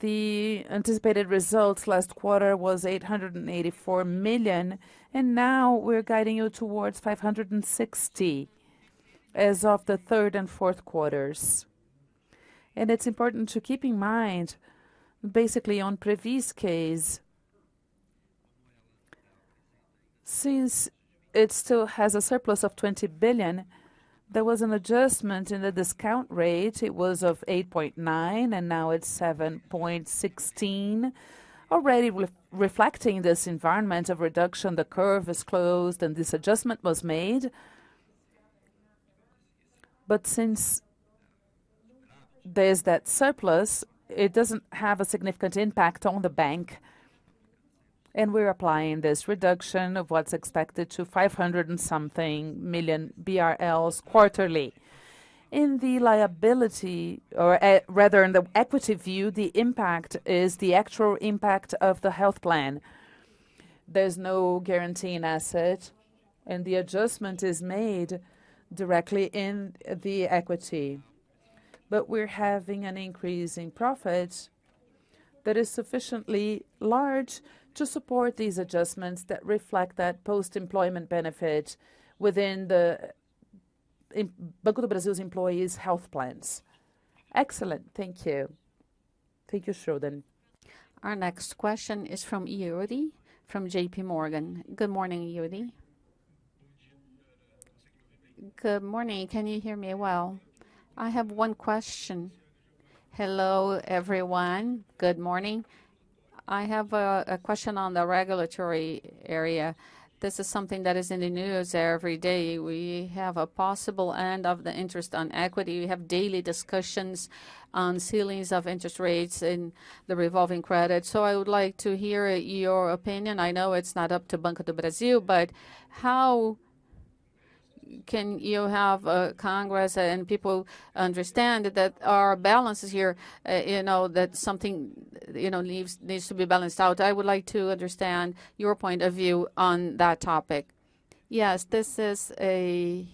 the anticipated results last quarter was 884 million, and now we're guiding you towards 560 million as of the third and fourth quarters. It's important to keep in mind, basically, on Previ's case, since it still has a surplus of 20 billion, there was an adjustment in the discount rate. It was of 8.9%, and now it's 7.16%. Already re-reflecting this environment of reduction, the curve is closed and this adjustment was made. Since there's that surplus, it doesn't have a significant impact on the bank, and we're applying this reduction of what's expected to 500 million and something quarterly. In the liability, or, rather, in the equity view, the impact is the actual impact of the health plan. There's no guarantee in asset, and the adjustment is made directly in the equity. We're having an increase in profit that is sufficiently large to support these adjustments that reflect that post-employment benefit within the, in Banco do Brasil's employees' health plans. Excellent. Thank you. Thank you, Schroden. Our next question is from Yuri, from JPMorgan. Good morning, Yuri. Good morning. Can you hear me well? I have one question. Hello, everyone. Good morning. I have a question on the regulatory area. This is something that is in the news every day. We have a possible end of the interest on equity. We have daily discussions on ceilings of interest rates in the revolving credit. I would like to hear your opinion. I know it's not up to Banco do Brasil, but how can you have Congress and people understand that our balance is here, you know, that something, you know, needs to be balanced out? I would like to understand your point of view on that topic. This is a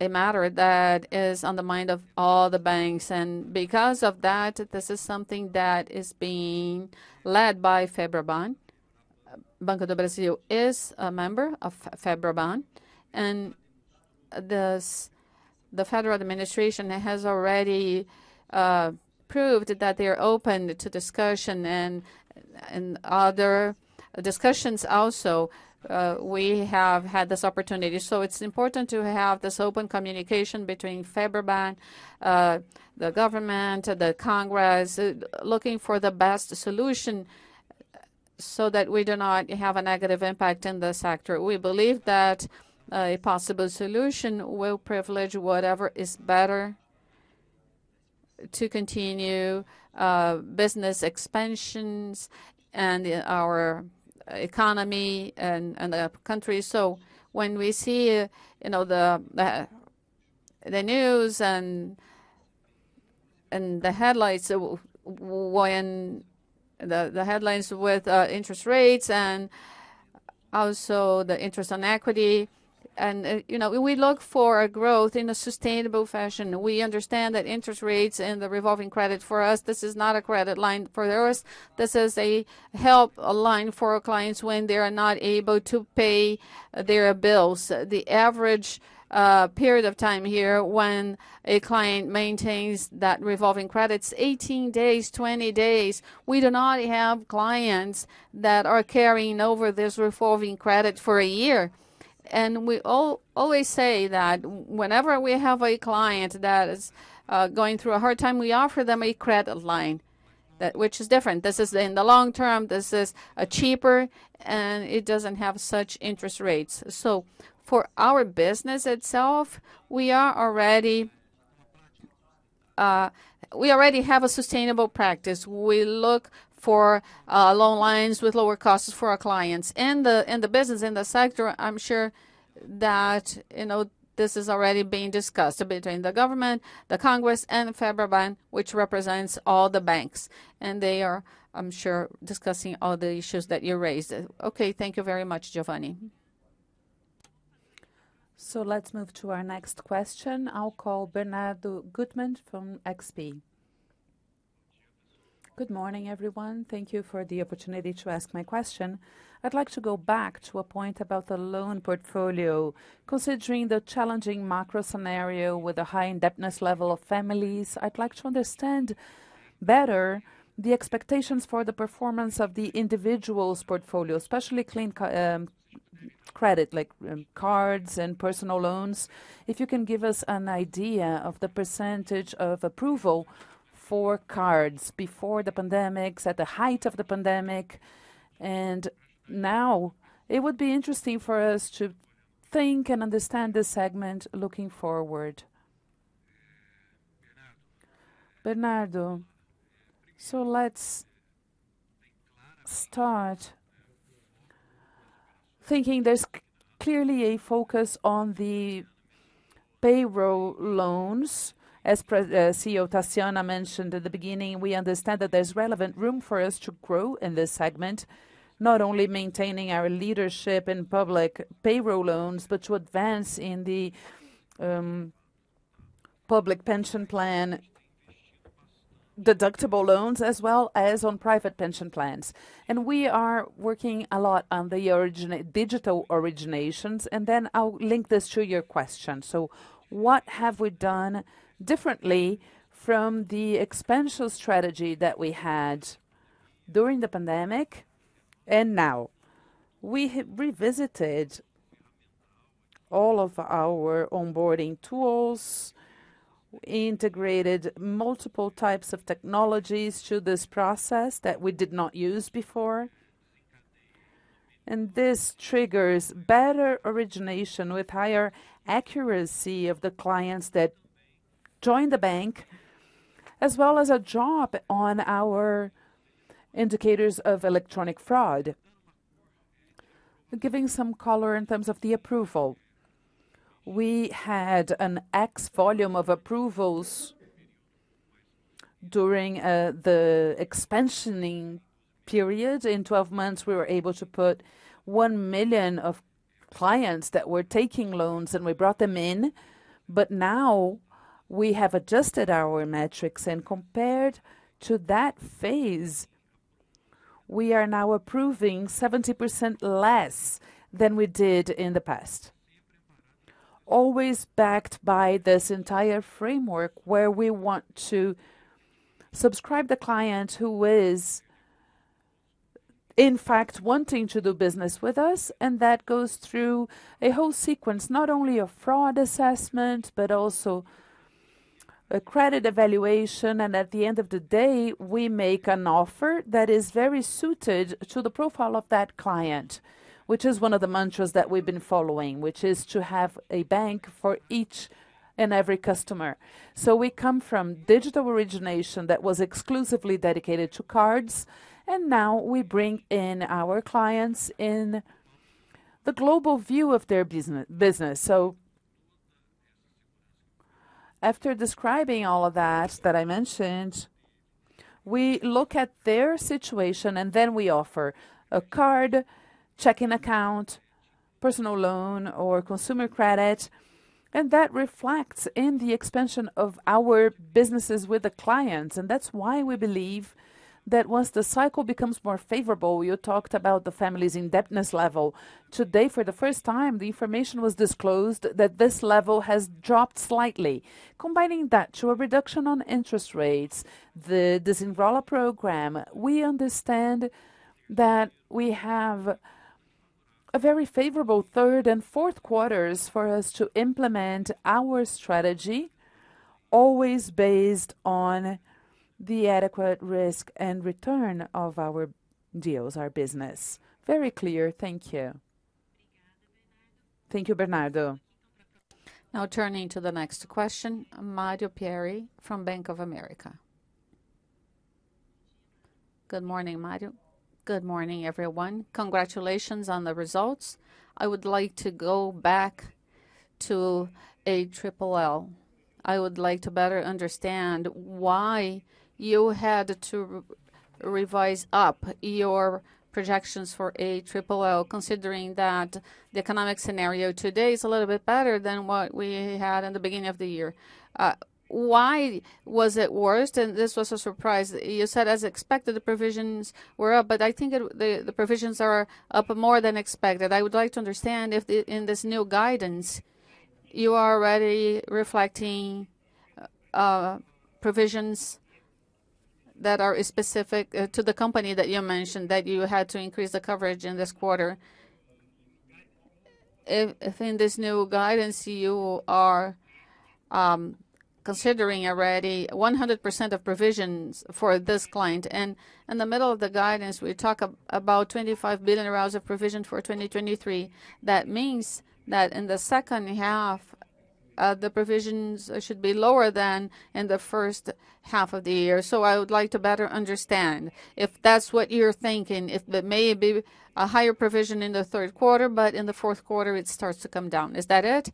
matter that is on the mind of all the banks, and because of that, this is something that is being led by Febraban. Banco do Brasil is a member of Febraban, the federal administration has already proved that they are open to discussion and, and other discussions also, we have had this opportunity. It's important to have this open communication between Febraban, the government, the Congress, looking for the best solution so that we do not have a negative impact in the sector. We believe that a possible solution will privilege whatever is better to continue business expansions and our economy and, and the country. When we see, you know, the, the, the news and, and the headlines, the, the headlines with interest rates and also the interest on equity, and, you know, we look for a growth in a sustainable fashion. We understand that interest rates and the revolving credit, for us, this is not a credit line. For us, this is a help line for our clients when they are not able to pay their bills. The average period of time here when a client maintains that revolving credit is 18 days, 20 days. We do not have clients that are carrying over this revolving credit for a year. We always say that whenever we have a client that is going through a hard time, we offer them a credit line, which is different. This is in the long term, this is cheaper, and it doesn't have such interest rates. For our business itself, we are already, we already have a sustainable practice. We look for loan lines with lower costs for our clients. In the, in the business, in the sector, I'm sure that, you know, this is already being discussed between the government, the Congress and Febraban, which represents all the banks, and they are, I'm sure, discussing all the issues that you raised. Okay, thank you very much, Geovanne. Let's move to our next question. I'll call Bernardo Guttman from XP. Good morning, everyone. Thank you for the opportunity to ask my question. I'd like to go back to a point about the loan portfolio. Considering the challenging macro scenario with a high indebtedness level of families, I'd like to understand better the expectations for the performance of the individuals portfolio, especially clean co credit, like cards and personal loans. If you can give us an idea of the percentage of approval for cards before the pandemics, at the height of the pandemic and now. It would be interesting for us to think and understand this segment looking forward. Bernardo, let's start. Thinking there's clearly a focus on the payroll loans. As Pres, CEO Tarciana mentioned at the beginning, we understand that there's relevant room for us to grow in this segment, not only maintaining our leadership in public payroll loans, but to advance in the public pension plan, deductible loans, as well as on private pension plans. We are working a lot on the digital originations, then I'll link this to your question. What have we done differently from the expansion strategy that we had during the pandemic and now? We have revisited all of our onboarding tools, integrated multiple types of technologies to this process that we did not use before, and this triggers better origination with higher accuracy of the clients that join the bank, as well as a drop on our indicators of electronic fraud. Giving some color in terms of the approval, we had an X volume of approvals during the expansioning period. In 12 months, we were able to put 1 million of clients that were taking loans, and we brought them in. Now, we have adjusted our metrics, and compared to that phase, we are now approving 70% less than we did in the past. Always backed by this entire framework, where we want to subscribe the client who is. In fact, wanting to do business with us, that goes through a whole sequence, not only of fraud assessment, but also a credit evaluation. At the end of the day, we make an offer that is very suited to the profile of that client, which is one of the mantras that we've been following, which is to have a bank for each and every customer. We come from digital origination that was exclusively dedicated to cards, and now we bring in our clients in the global view of their business. After describing all of that, that I mentioned, we look at their situation, and then we offer a card, checking account, personal loan, or consumer credit, and that reflects in the expansion of our businesses with the clients. That's why we believe that once the cycle becomes more favorable. You talked about the family's indebtedness level. Today, for the first time, the information was disclosed that this level has dropped slightly. Combining that to a reduction on interest rates, the Desenrola program, we understand that we have a very favorable third and fourth quarters for us to implement our strategy, always based on the adequate risk and return of our deals, our business. Very clear. Thank you. Thank you, Bernardo. Now turning to the next question, Mario Pierry from Bank of America. Good morning, Mario. Good morning, everyone. Congratulations on the results. I would like to go back to ALLL. I would like to better understand why you had to revise up your projections for ALLL, considering that the economic scenario today is a little bit better than what we had in the beginning of the year. Why was it worse? This was a surprise. You said, as expected, the provisions were up, but I think the provisions are up more than expected. I would like to understand if in this new guidance, you are already reflecting provisions that are specific to the company that you mentioned, that you had to increase the coverage in this quarter. If in this new guidance, you are considering already 100% of provisions for this client, in the middle of the guidance, we talk about BRL 25 billion of provision for 2023. That means that in the second half, the provisions should be lower than in the first half of the year. I would like to better understand if that's what you're thinking, if there may be a higher provision in the third quarter, but in the fourth quarter it starts to come down. Is that it?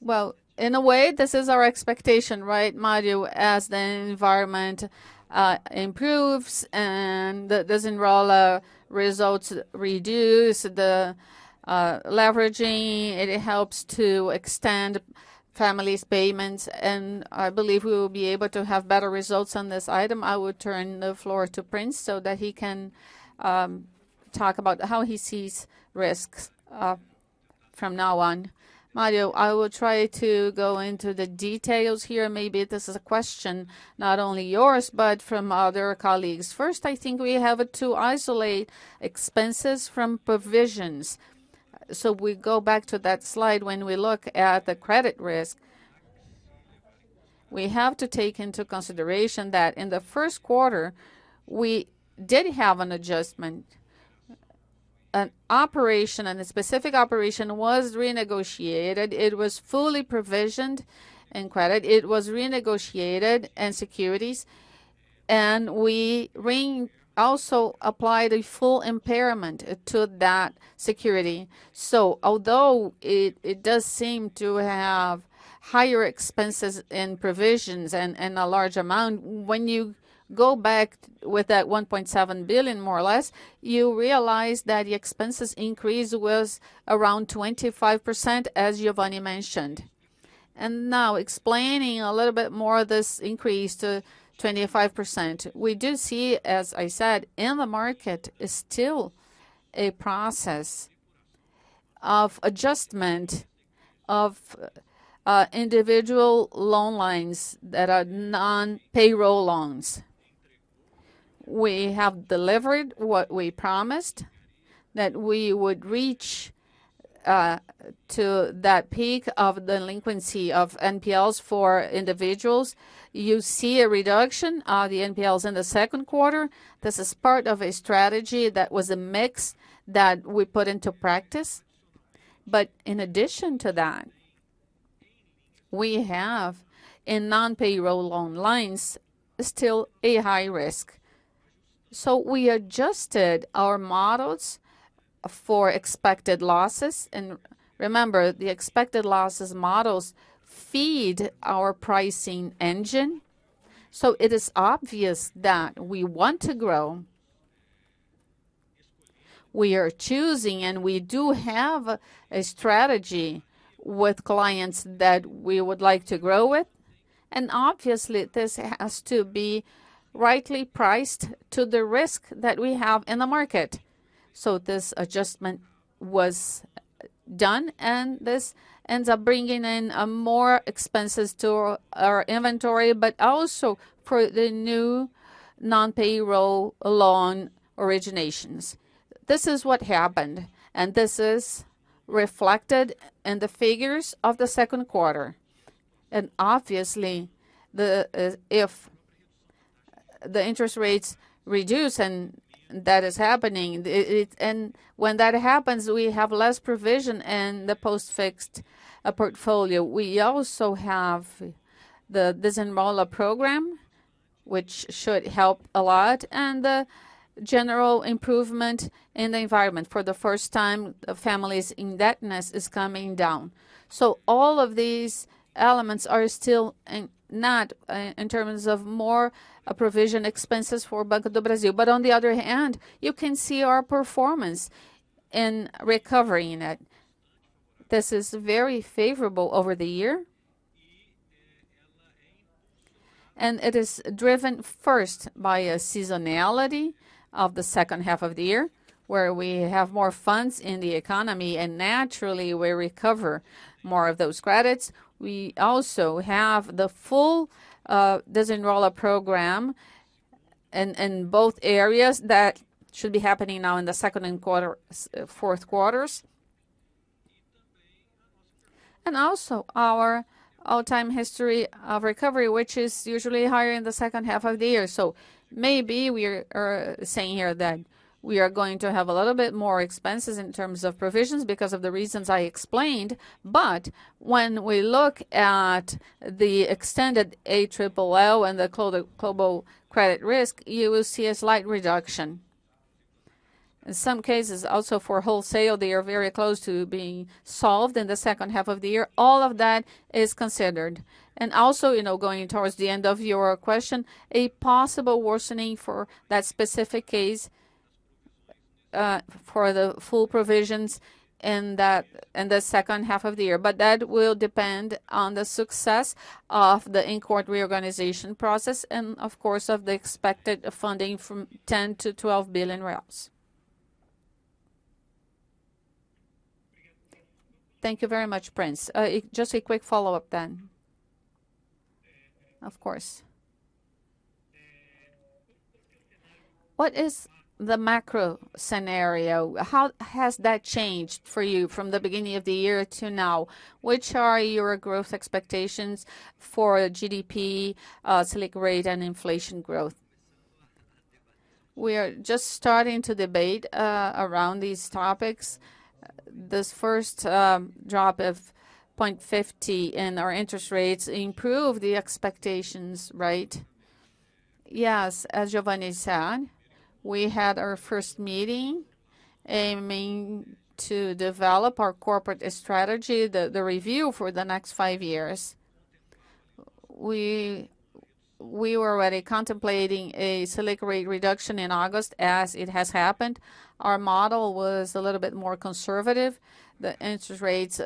Well, in a way, this is our expectation, right, Mario? As the environment improves and the, the Desenrola results reduce the leveraging, it helps to extend families' payments, and I believe we will be able to have better results on this item. I would turn the floor to Prince so that he can talk about how he sees risks from now on. Mario, I will try to go into the details here. Maybe this is a question, not only yours, but from other colleagues. First, I think we have to isolate expenses from provisions. We go back to that slide when we look at the credit risk, we have to take into consideration that in the first quarter, we did have an adjustment. An operation, and a specific operation was renegotiated. It was fully provisioned in credit. It was renegotiated in securities, and we also applied a full impairment to that security. Although it, it does seem to have higher expenses and provisions and, and a large amount, when you go back with that 1.7 billion, more or less, you realize that the expenses increase was around 25%, as Geovanne mentioned. Now explaining a little bit more this increase to 25%. We do see, as I said, in the market, is still a process of adjustment of individual loan lines that are non-payroll loans. We have delivered what we promised, that we would reach to that peak of delinquency of NPLs for individuals. You see a reduction of the NPLs in the second quarter. This is part of a strategy that was a mix that we put into practice. In addition to that, we have, in non-payroll loan lines, still a high risk. We adjusted our models for expected losses. Remember, the expected losses models feed our pricing engine, so it is obvious that we want to grow. We are choosing, and we do have a strategy with clients that we would like to grow with. Obviously, this has to be rightly priced to the risk that we have in the market. This adjustment was done, and this ends up bringing in more expenses to our inventory, but also for the new non-payroll loan originations. This is what happened, and this is reflected in the figures of the second quarter. Obviously, the if the interest rates reduce, and that is happening, and when that happens, we have less provision in the post-fixed portfolio. We also have the Desenrola program, which should help a lot, and the general improvement in the environment. For the first time, families' indebtedness is coming down. All of these elements are still in, not in terms of more provision expenses for Banco do Brasil, but on the other hand, you can see our performance in recovering it. This is very favorable over the year. It is driven, first, by a seasonality of the second half of the year, where we have more funds in the economy, and naturally, we recover more of those credits. We also have the full Desenrola program in, in both areas that should be happening now in the second and fourth quarters. Also, our all-time history of recovery, which is usually higher in the second half of the year. Maybe we are, are saying here that we are going to have a little bit more expenses in terms of provisions because of the reasons I explained. When we look at the extended ALLL and the global credit risk, you will see a slight reduction. In some cases, also for wholesale, they are very close to being solved in the second half of the year. All of that is considered. Also, you know, going towards the end of your question, a possible worsening for that specific case, for the full provisions in the second half of the year. That will depend on the success of the in-court reorganization process and, of course, of the expected funding from 10 billion-12 billion. Thank you very much, Prince. Just a quick follow-up. Of course. What is the macro scenario? How has that changed for you from the beginning of the year to now? Which are your growth expectations for GDP, Selic rate, and inflation growth? We are just starting to debate around these topics. This first, 0.50 drop in our interest rates improved the expectations, right? Yes, as Geovanne said, we had our first meeting, aiming to develop our corporate strategy, the review for the next five years. We were already contemplating a Selic rate reduction in August, as it has happened. Our model was a little bit more conservative. The interest rates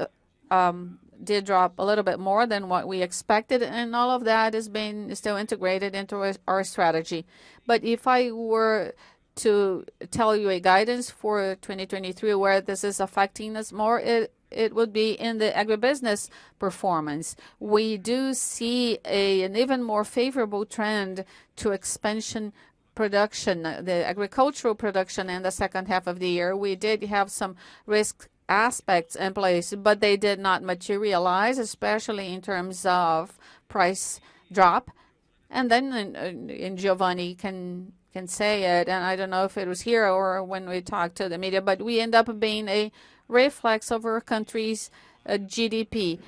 did drop a little bit more than what we expected, and all of that is being still integrated into our, our strategy. If I were to tell you a guidance for 2023, where this is affecting us more, it, it would be in the agribusiness performance. We do see a, an even more favorable trend to expansion production, the agricultural production in the second half of the year. We did have some risk aspects in place, but they did not materialize, especially in terms of price drop. Geovanne can say it, and I don't know if it was here or when we talked to the media, but we end up being a reflex of our country's GDP.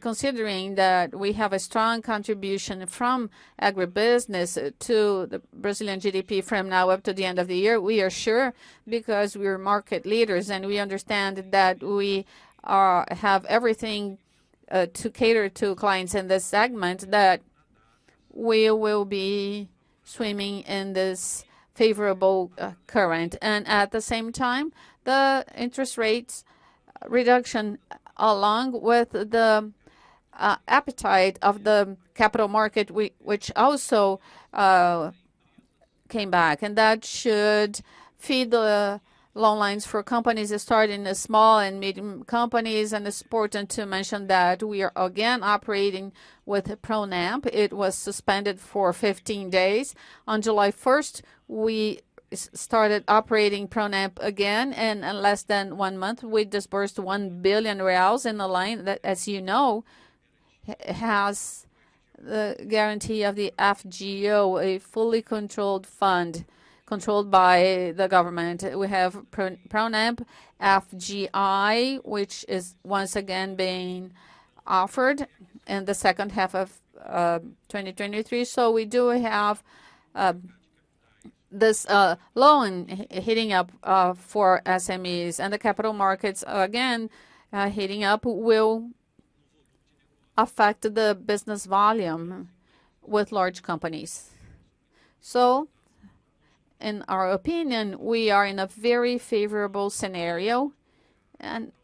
Considering that we have a strong contribution from agribusiness to the Brazilian GDP from now up to the end of the year, we are sure, because we are market leaders, and we understand that we have everything to cater to clients in this segment, that we will be swimming in this favorable current. At the same time, the interest rates reduction, along with the appetite of the capital market, which also came back, and that should feed the loan lines for companies, starting with small and medium companies. It's important to mention that we are again operating with Pronampe. It was suspended for 15 days. On July 1, we started operating Pronampe again. In less than one month, we disbursed 1 billion reais in the line that, as you know, has the guarantee of the FGO, a fully controlled fund, controlled by the government. We have Pronampe, FGI, which is once again being offered in the second half of 2023. We do have this loan heating up for SMEs. The capital markets, again, heating up will affect the business volume with large companies. In our opinion, we are in a very favorable scenario.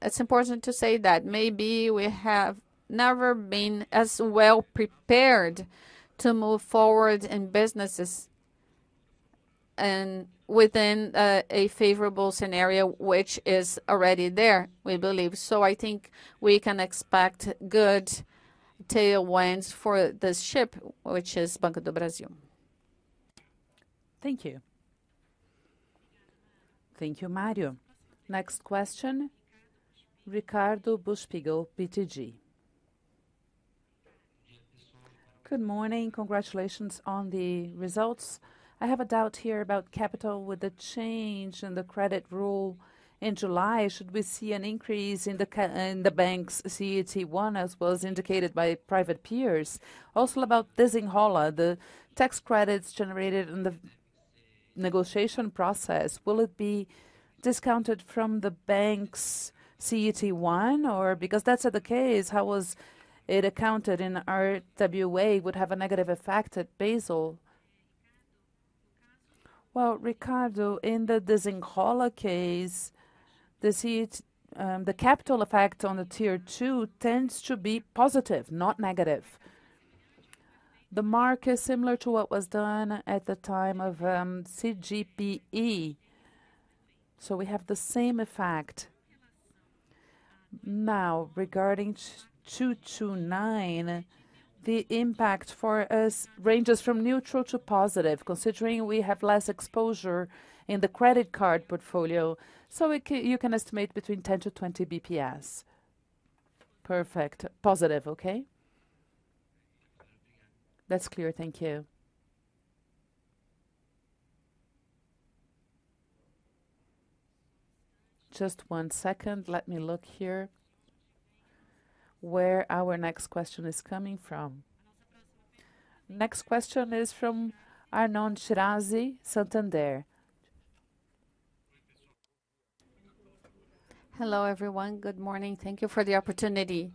It's important to say that maybe we have never been as well prepared to move forward in businesses. Within a favorable scenario, which is already there, we believe. I think we can expect good tailwinds for this ship, which is Banco do Brasil. Thank you. Thank you, Mario. Next question, Ricardo Buchpiguel, BTG. Good morning. Congratulations on the results. I have a doubt here about capital. With the change in the credit rule in July, should we see an increase in the ca-- in the bank's CET1, as was indicated by private peers? Also, about Desenrola, the tax credits generated in the negotiation process, will it be discounted from the bank's CET1, or? If that's the case, how was it accounted in RWA, would have a negative effect at Basel. Well, Ricardo, in the Desenrola case, the CE, the capital effect on the Tier 2 tends to be positive, not negative. The mark is similar to what was done at the time of CGPE, so we have the same effect. Regarding Resolution BCB 229, the impact for us ranges from neutral to positive, considering we have less exposure in the credit card portfolio. You can estimate between 10-20 bps. Perfect. Positive, okay? That's clear. Thank you. Just one second. Let me look here where our next question is coming from. Next question is from Arnon Shirazi, Santander. Hello, everyone. Good morning. Thank you for the opportunity.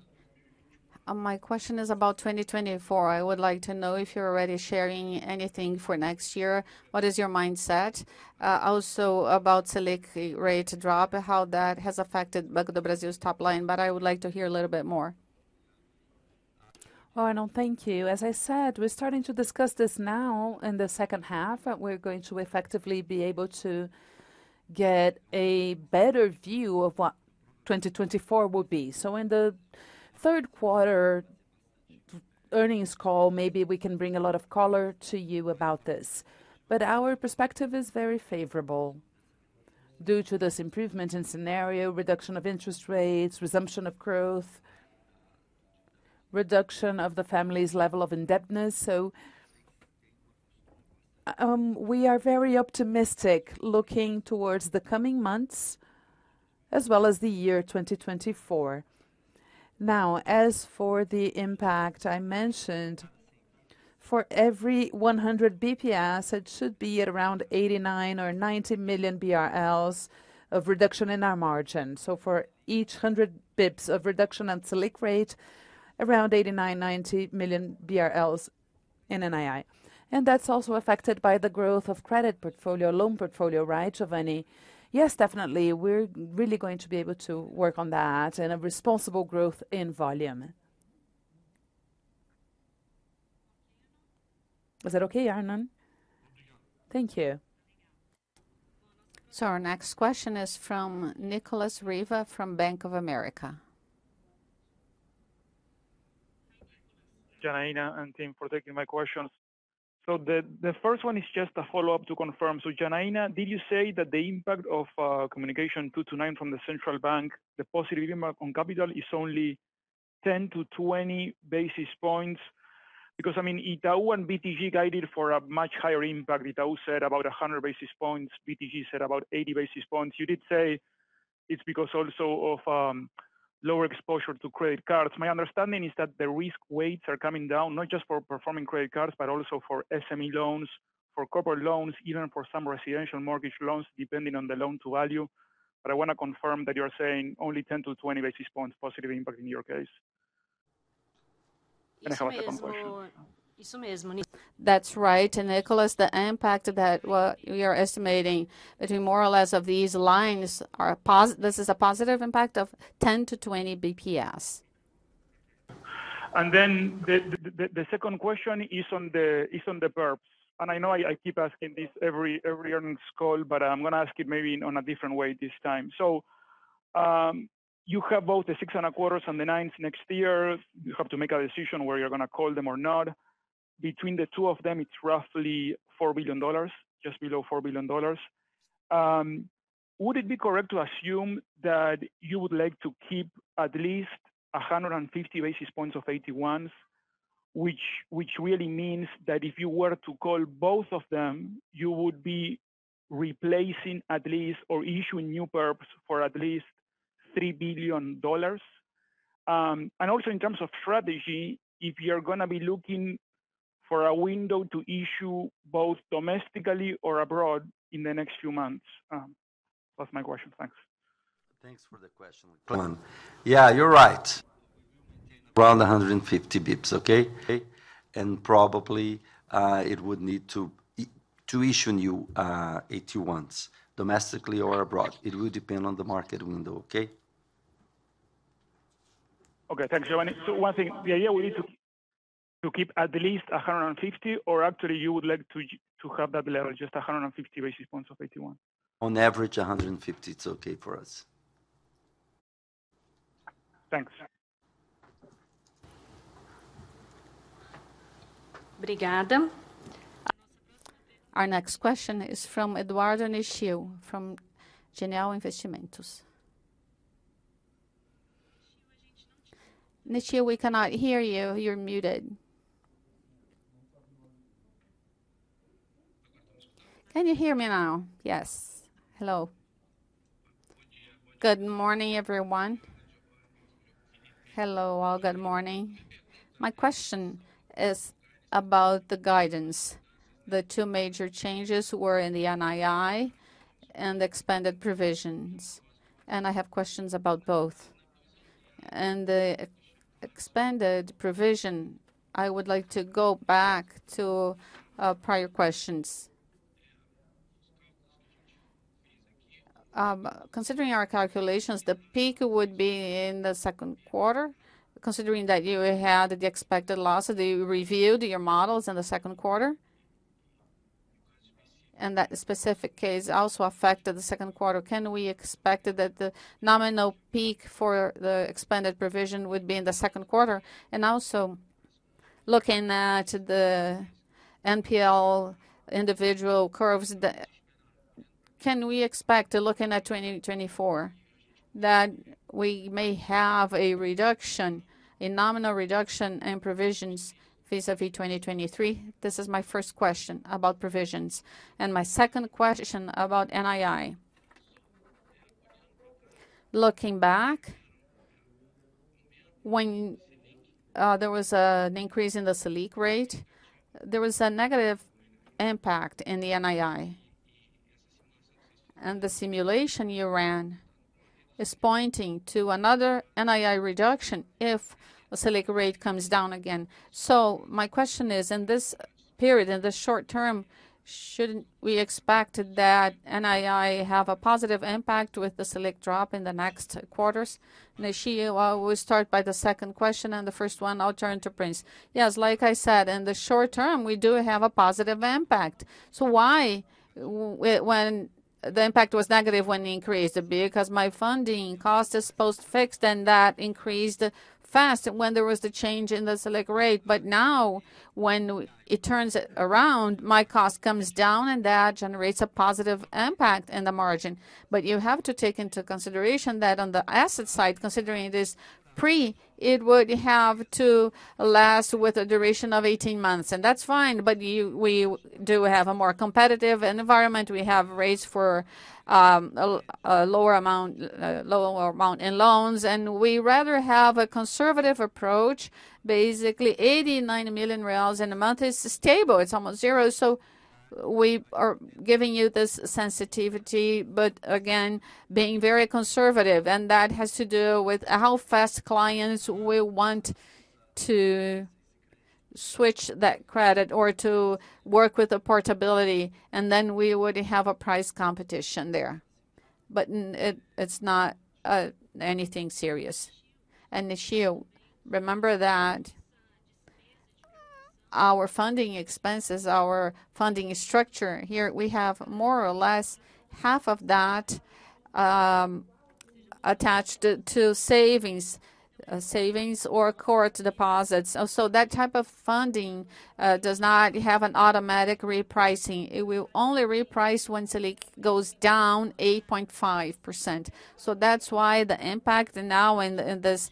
My question is about 2024. I would like to know if you're already sharing anything for next year. What is your mindset? Also about Selic rate drop, how that has affected Banco do Brasil's top line, but I would like to hear a little bit more. Arnon, thank you. As I said, we're starting to discuss this now in the second half, and we're going to effectively be able to get a better view of what 2024 will be. In the third quarter earnings call, maybe we can bring a lot of color to you about this. Our perspective is very favorable due to this improvement in scenario, reduction of interest rates, resumption of growth, reduction of the family's level of indebtedness. We are very optimistic looking towards the coming months as well as the year 2024. As for the impact I mentioned, for every 100 basis points, it should be at around 89 million-90 million BRL of reduction in our margin. For each 100 basis points of reduction in Selic rate, around 89 million-90 million BRL in NII. That's also affected by the growth of credit portfolio, loan portfolio, right, Geovanne? Yes, definitely. We're really going to be able to work on that and a responsible growth in volume. Is that okay, Arnon? Thank you. Our next question is from Nicolas Riva, from Bank of America. Janaína and team, for taking my questions. The, the first one is just a follow-up to confirm. Janaína, did you say that the impact of communication 229 from the Central Bank, the positive impact on capital is only 10-20 basis points? Because, I mean, Itaú and BTG guided for a much higher impact. Itaú said about 100 basis points, BTG said about 80 basis points. You did say it's because also of lower exposure to credit cards. My understanding is that the risk weights are coming down, not just for performing credit cards, but also for SME loans, for corporate loans, even for some residential mortgage loans, depending on the loan to value. I want to confirm that you are saying only 10-20 basis points positive impact in your case. Can I have the confirmation? That's right, Nicholas. The impact that we are estimating between more or less of these lines are a this is a positive impact of 10 to 20 basis points. The second question is on the perps. I know I keep asking this every, every earnings call, but I'm gonna ask it maybe in on a different way this time. You have both the 6.25 and the 9 next year. You have to make a decision whether you're gonna call them or not. Between the two of them, it's roughly $4 billion, just below $4 billion. Would it be correct to assume that you would like to keep at least 150 basis points of AT1s, which really means that if you were to call both of them, you would be replacing at least or issuing new perps for at least $3 billion? Also in terms of strategy, if you're gonna be looking for a window to issue both domestically or abroad in the next few months, that's my question. Thanks. Thanks for the question. Yeah, you're right. Around 150 basis points, okay? Okay. Probably, it would need to issue new AT1s, domestically or abroad. It will depend on the market window, okay? Okay, thanks, Geovanne. One thing, the idea we need to, to keep at least 150, or actually you would like to, to have that level just 150 risk response of 81? On average, 150, it's okay for us. Thanks. Our next question is from Eduardo Nishio, from Genial Investimentos. Nishio, we cannot hear you. You're muted. Can you hear me now? Yes. Hello. Good morning, everyone. Hello, all. Good morning. My question is about the guidance. The two major changes were in the NII and expanded provisions, and I have questions about both. The expanded provision, I would like to go back to prior questions. Considering our calculations, the peak would be in the second quarter, considering that you had the expected loss, that you reviewed your models in the second quarter, and that specific case also affected the second quarter. Can we expect that the nominal peak for the expanded provision would be in the second quarter? Looking at the NPL individual curves, can we expect, looking at 2024, that we may have a reduction, a nominal reduction in provisions vis-à-vis 2023? This is my first question about provisions. My second question about NII: Looking back, when there was an increase in the Selic rate, there was a negative impact in the NII. The simulation you ran is pointing to another NII reduction if the Selic rate comes down again. My question is, in this period, in the short term, should we expect that NII have a positive impact with the Selic drop in the next quarters? Nishio, we start by the second question, and the first one, I'll turn to Prince. Yes, like I said, in the short term, we do have a positive impact. Why when the impact was negative when it increased? My funding cost is post-fixed, and that increased fast when there was a change in the Selic rate. Now, when it turns around, my cost comes down, and that generates a positive impact in the margin. You have to take into consideration that on the asset side, considering it is pre, it would have to last with a duration of 18 months, and that's fine, we do have a more competitive environment. We have rates for a lower amount, lower amount in loans, and we rather have a conservative approach. Basically, 80 million-90 million reais in a month is stable, it's almost zero. We are giving you this sensitivity, but again, being very conservative, and that has to do with how fast clients will want to switch that credit or to work with the portability, and then we would have a price competition there. It's not anything serious. Nishio, remember that our funding expenses, our funding structure, here, we have more or less half of that attached to savings, savings or core deposits. That type of funding does not have an automatic repricing. It will only reprice once Selic goes down 8.5%. That's why the impact now in this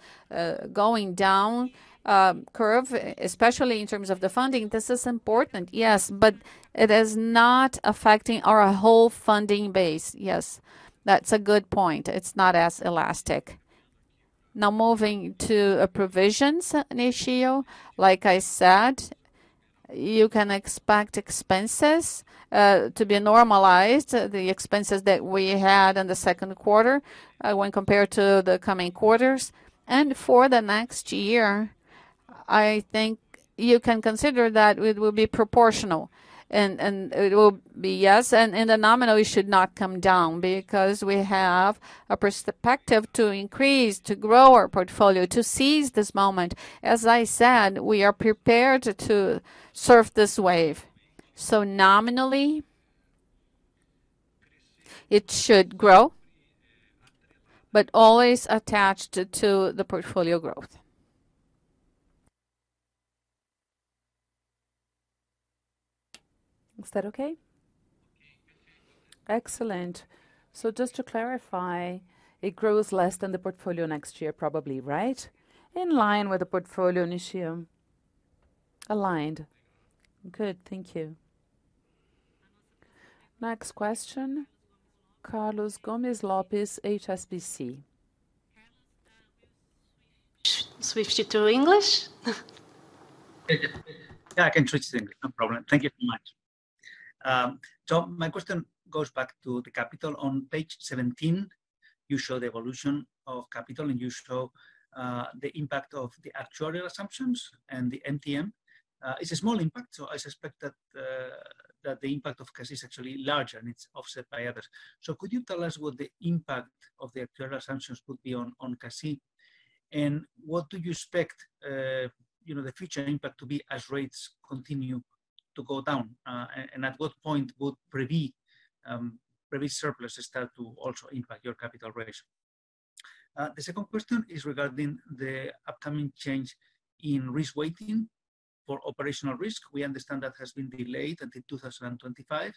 going down curve, especially in terms of the funding, this is important, yes, but it is not affecting our whole funding base. Yes, that's a good point. It's not as elastic. Now, moving to provisions, Nishio, like I said, you can expect expenses to be normalized, the expenses that we had in the second quarter, when compared to the coming quarters. For the next year, I think you can consider that it will be proportional, and, and it will be-- Yes, and the nominal should not come down because we have a perspective to increase, to grow our portfolio, to seize this moment. As I said, we are prepared to surf this wave. Nominally, it should grow, but always attached to the portfolio growth. Is that okay? Excellent. Just to clarify, it grows less than the portfolio next year, probably, right? In line with the portfolio, Nishio. In line. Good. Thank you. Next question, Carlos Gomez-Lopez, HSBC. Carlos, switch you to English? Yeah, I can switch to English, no problem. Thank you very much. My question goes back to the capital. On page 17, you show the evolution of capital, and you show the impact of the actuarial assumptions and the MTM. It's a small impact, so I suspect that the impact of CASI is actually larger, and it's offset by others. Could you tell us what the impact of the actuarial assumptions would be on CASI? What do you expect, you know, the future impact to be as rates continue to go down? At what point would Previ, Previ surplus start to also impact your capital ratio? The second question is regarding the upcoming change in risk weighting for operational risk. We understand that has been delayed until 2025.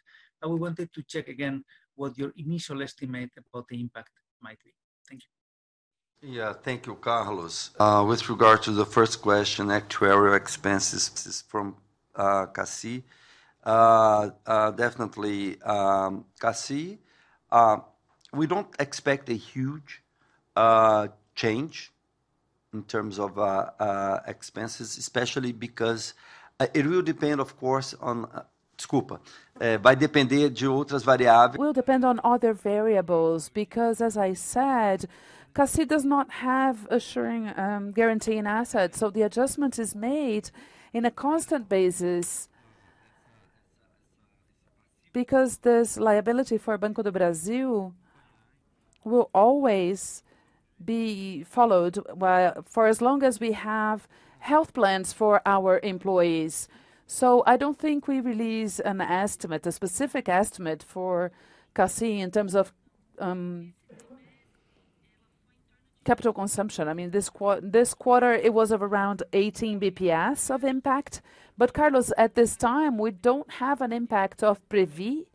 We wanted to check again what your initial estimate about the impact might be. Thank you. Yeah. Thank you, Carlos. With regard to the first question, actuarial expenses from CASI. Definitely, CASI, we don't expect a huge change in terms of expenses, especially because it will depend, of course, on-- will depend on other variables, because as I said, CASI does not have assuring, guaranteeing assets. The adjustment is made in a constant basis, because this liability for Banco do Brasil will always be followed for as long as we have health plans for our employees. I don't think we release an estimate, a specific estimate for CASI in terms of capital consumption. I mean, this quarter, it was of around 18 bps of impact. Carlos, at this time, we don't have an impact of Previ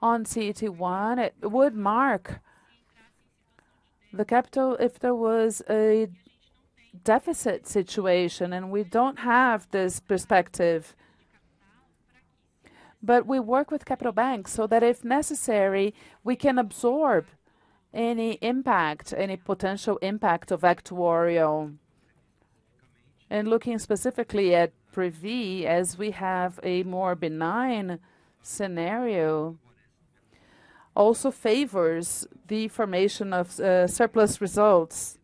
on CET1. It would mark the capital if there was a deficit situation, and we don't have this perspective. We work with capital banks so that if necessary, we can absorb any impact, any potential impact of actuarial. Looking specifically at Previ, as we have a more benign scenario, also favors the formation of surplus results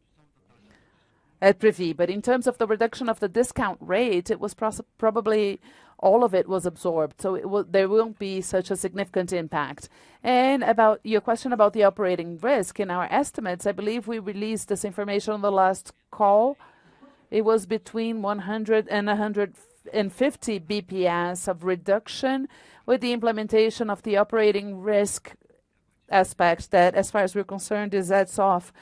at Previ. In terms of the reduction of the discount rate, it was probably all of it was absorbed, so there won't be such a significant impact. About your question about the operating risk in our estimates, I believe we released this information on the last call. It was between 100-150 bps of reduction, with the implementation of the operating risk aspects that, as far as we're concerned, is as of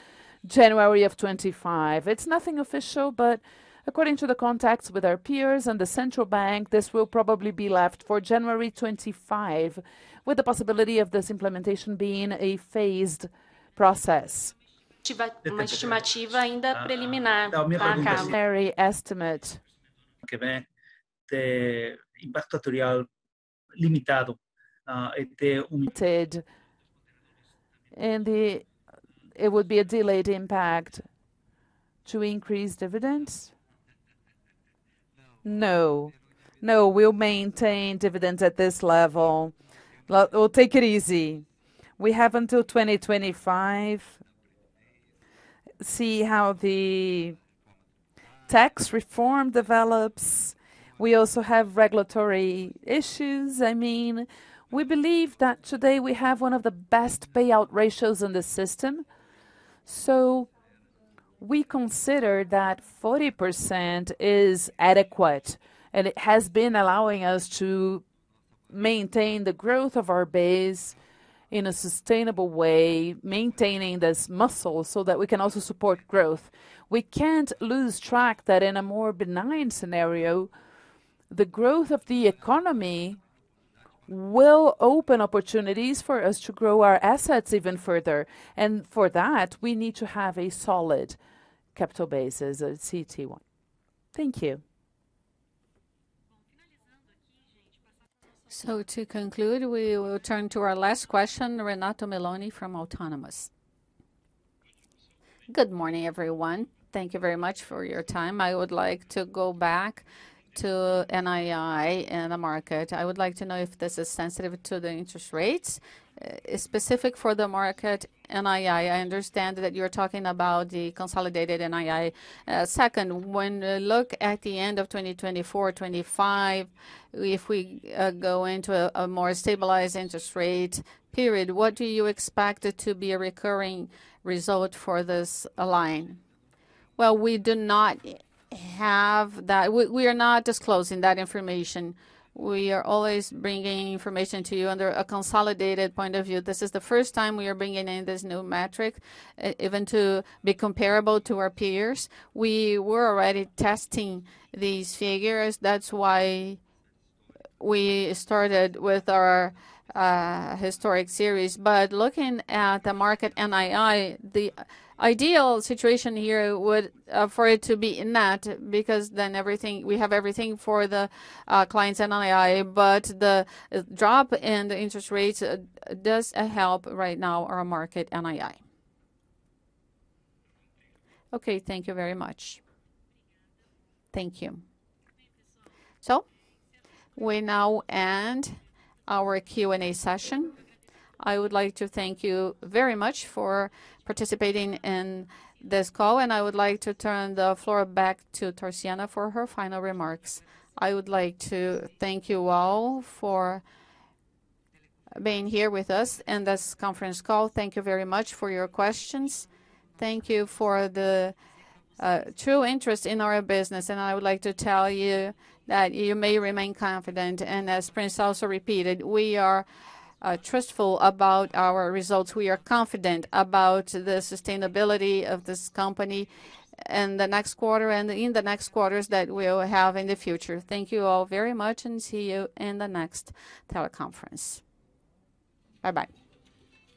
January of 25. It's nothing official, but according to the contacts with our peers and the Central Bank, this will probably be left for January 25, with the possibility of this implementation being a phased process. Limited, and the, it would be a delayed impact to increase dividends? No, we'll maintain dividends at this level. Well, we'll take it easy. We have until 2025 to see how the tax reform develops. We also have regulatory issues. I mean, we believe that today we have one of the best payout ratios in the system. We consider that 40% is adequate, and it has been allowing us to maintain the growth of our base in a sustainable way, maintaining this muscle so that we can also support growth. We can't lose track that in a more benign scenario, the growth of the economy will open opportunities for us to grow our assets even further. For that, we need to have a solid capital base as a CET1. Thank you. To conclude, we will turn to our last question, Renato Meloni from Autonomous. Good morning, everyone. Thank you very much for your time. I would like to go back to NII and the market. I would like to know if this is sensitive to the interest rates. Specific for the market, NII, I understand that you're talking about the consolidated NII. Second, when you look at the end of 2024, 2025, if we go into a more stabilized interest rate period, what do you expect it to be a recurring result for this line? Well, we do not have that-- We, we are not disclosing that information. We are always bringing information to you under a consolidated point of view. This is the first time we are bringing in this new metric, even to be comparable to our peers. We were already testing these figures. That's why we started with our historic series. Looking at the market NII, the ideal situation here would for it to be in that, because then we have everything for the clients, NII, but the drop in the interest rates does help right now our market NII. Okay. Thank you very much. Thank you. We now end our Q&A session. I would like to thank you very much for participating in this call, and I would like to turn the floor back to Tarciana for her final remarks. I would like to thank you all for being here with us in this conference call. Thank you very much for your questions. Thank you for the true interest in our business. I would like to tell you that you may remain confident. As Prince also repeated, we are trustful about our results. We are confident about the sustainability of this company in the next quarter, and in the next quarters that we'll have in the future. Thank you all very much. See you in the next teleconference. Bye-bye.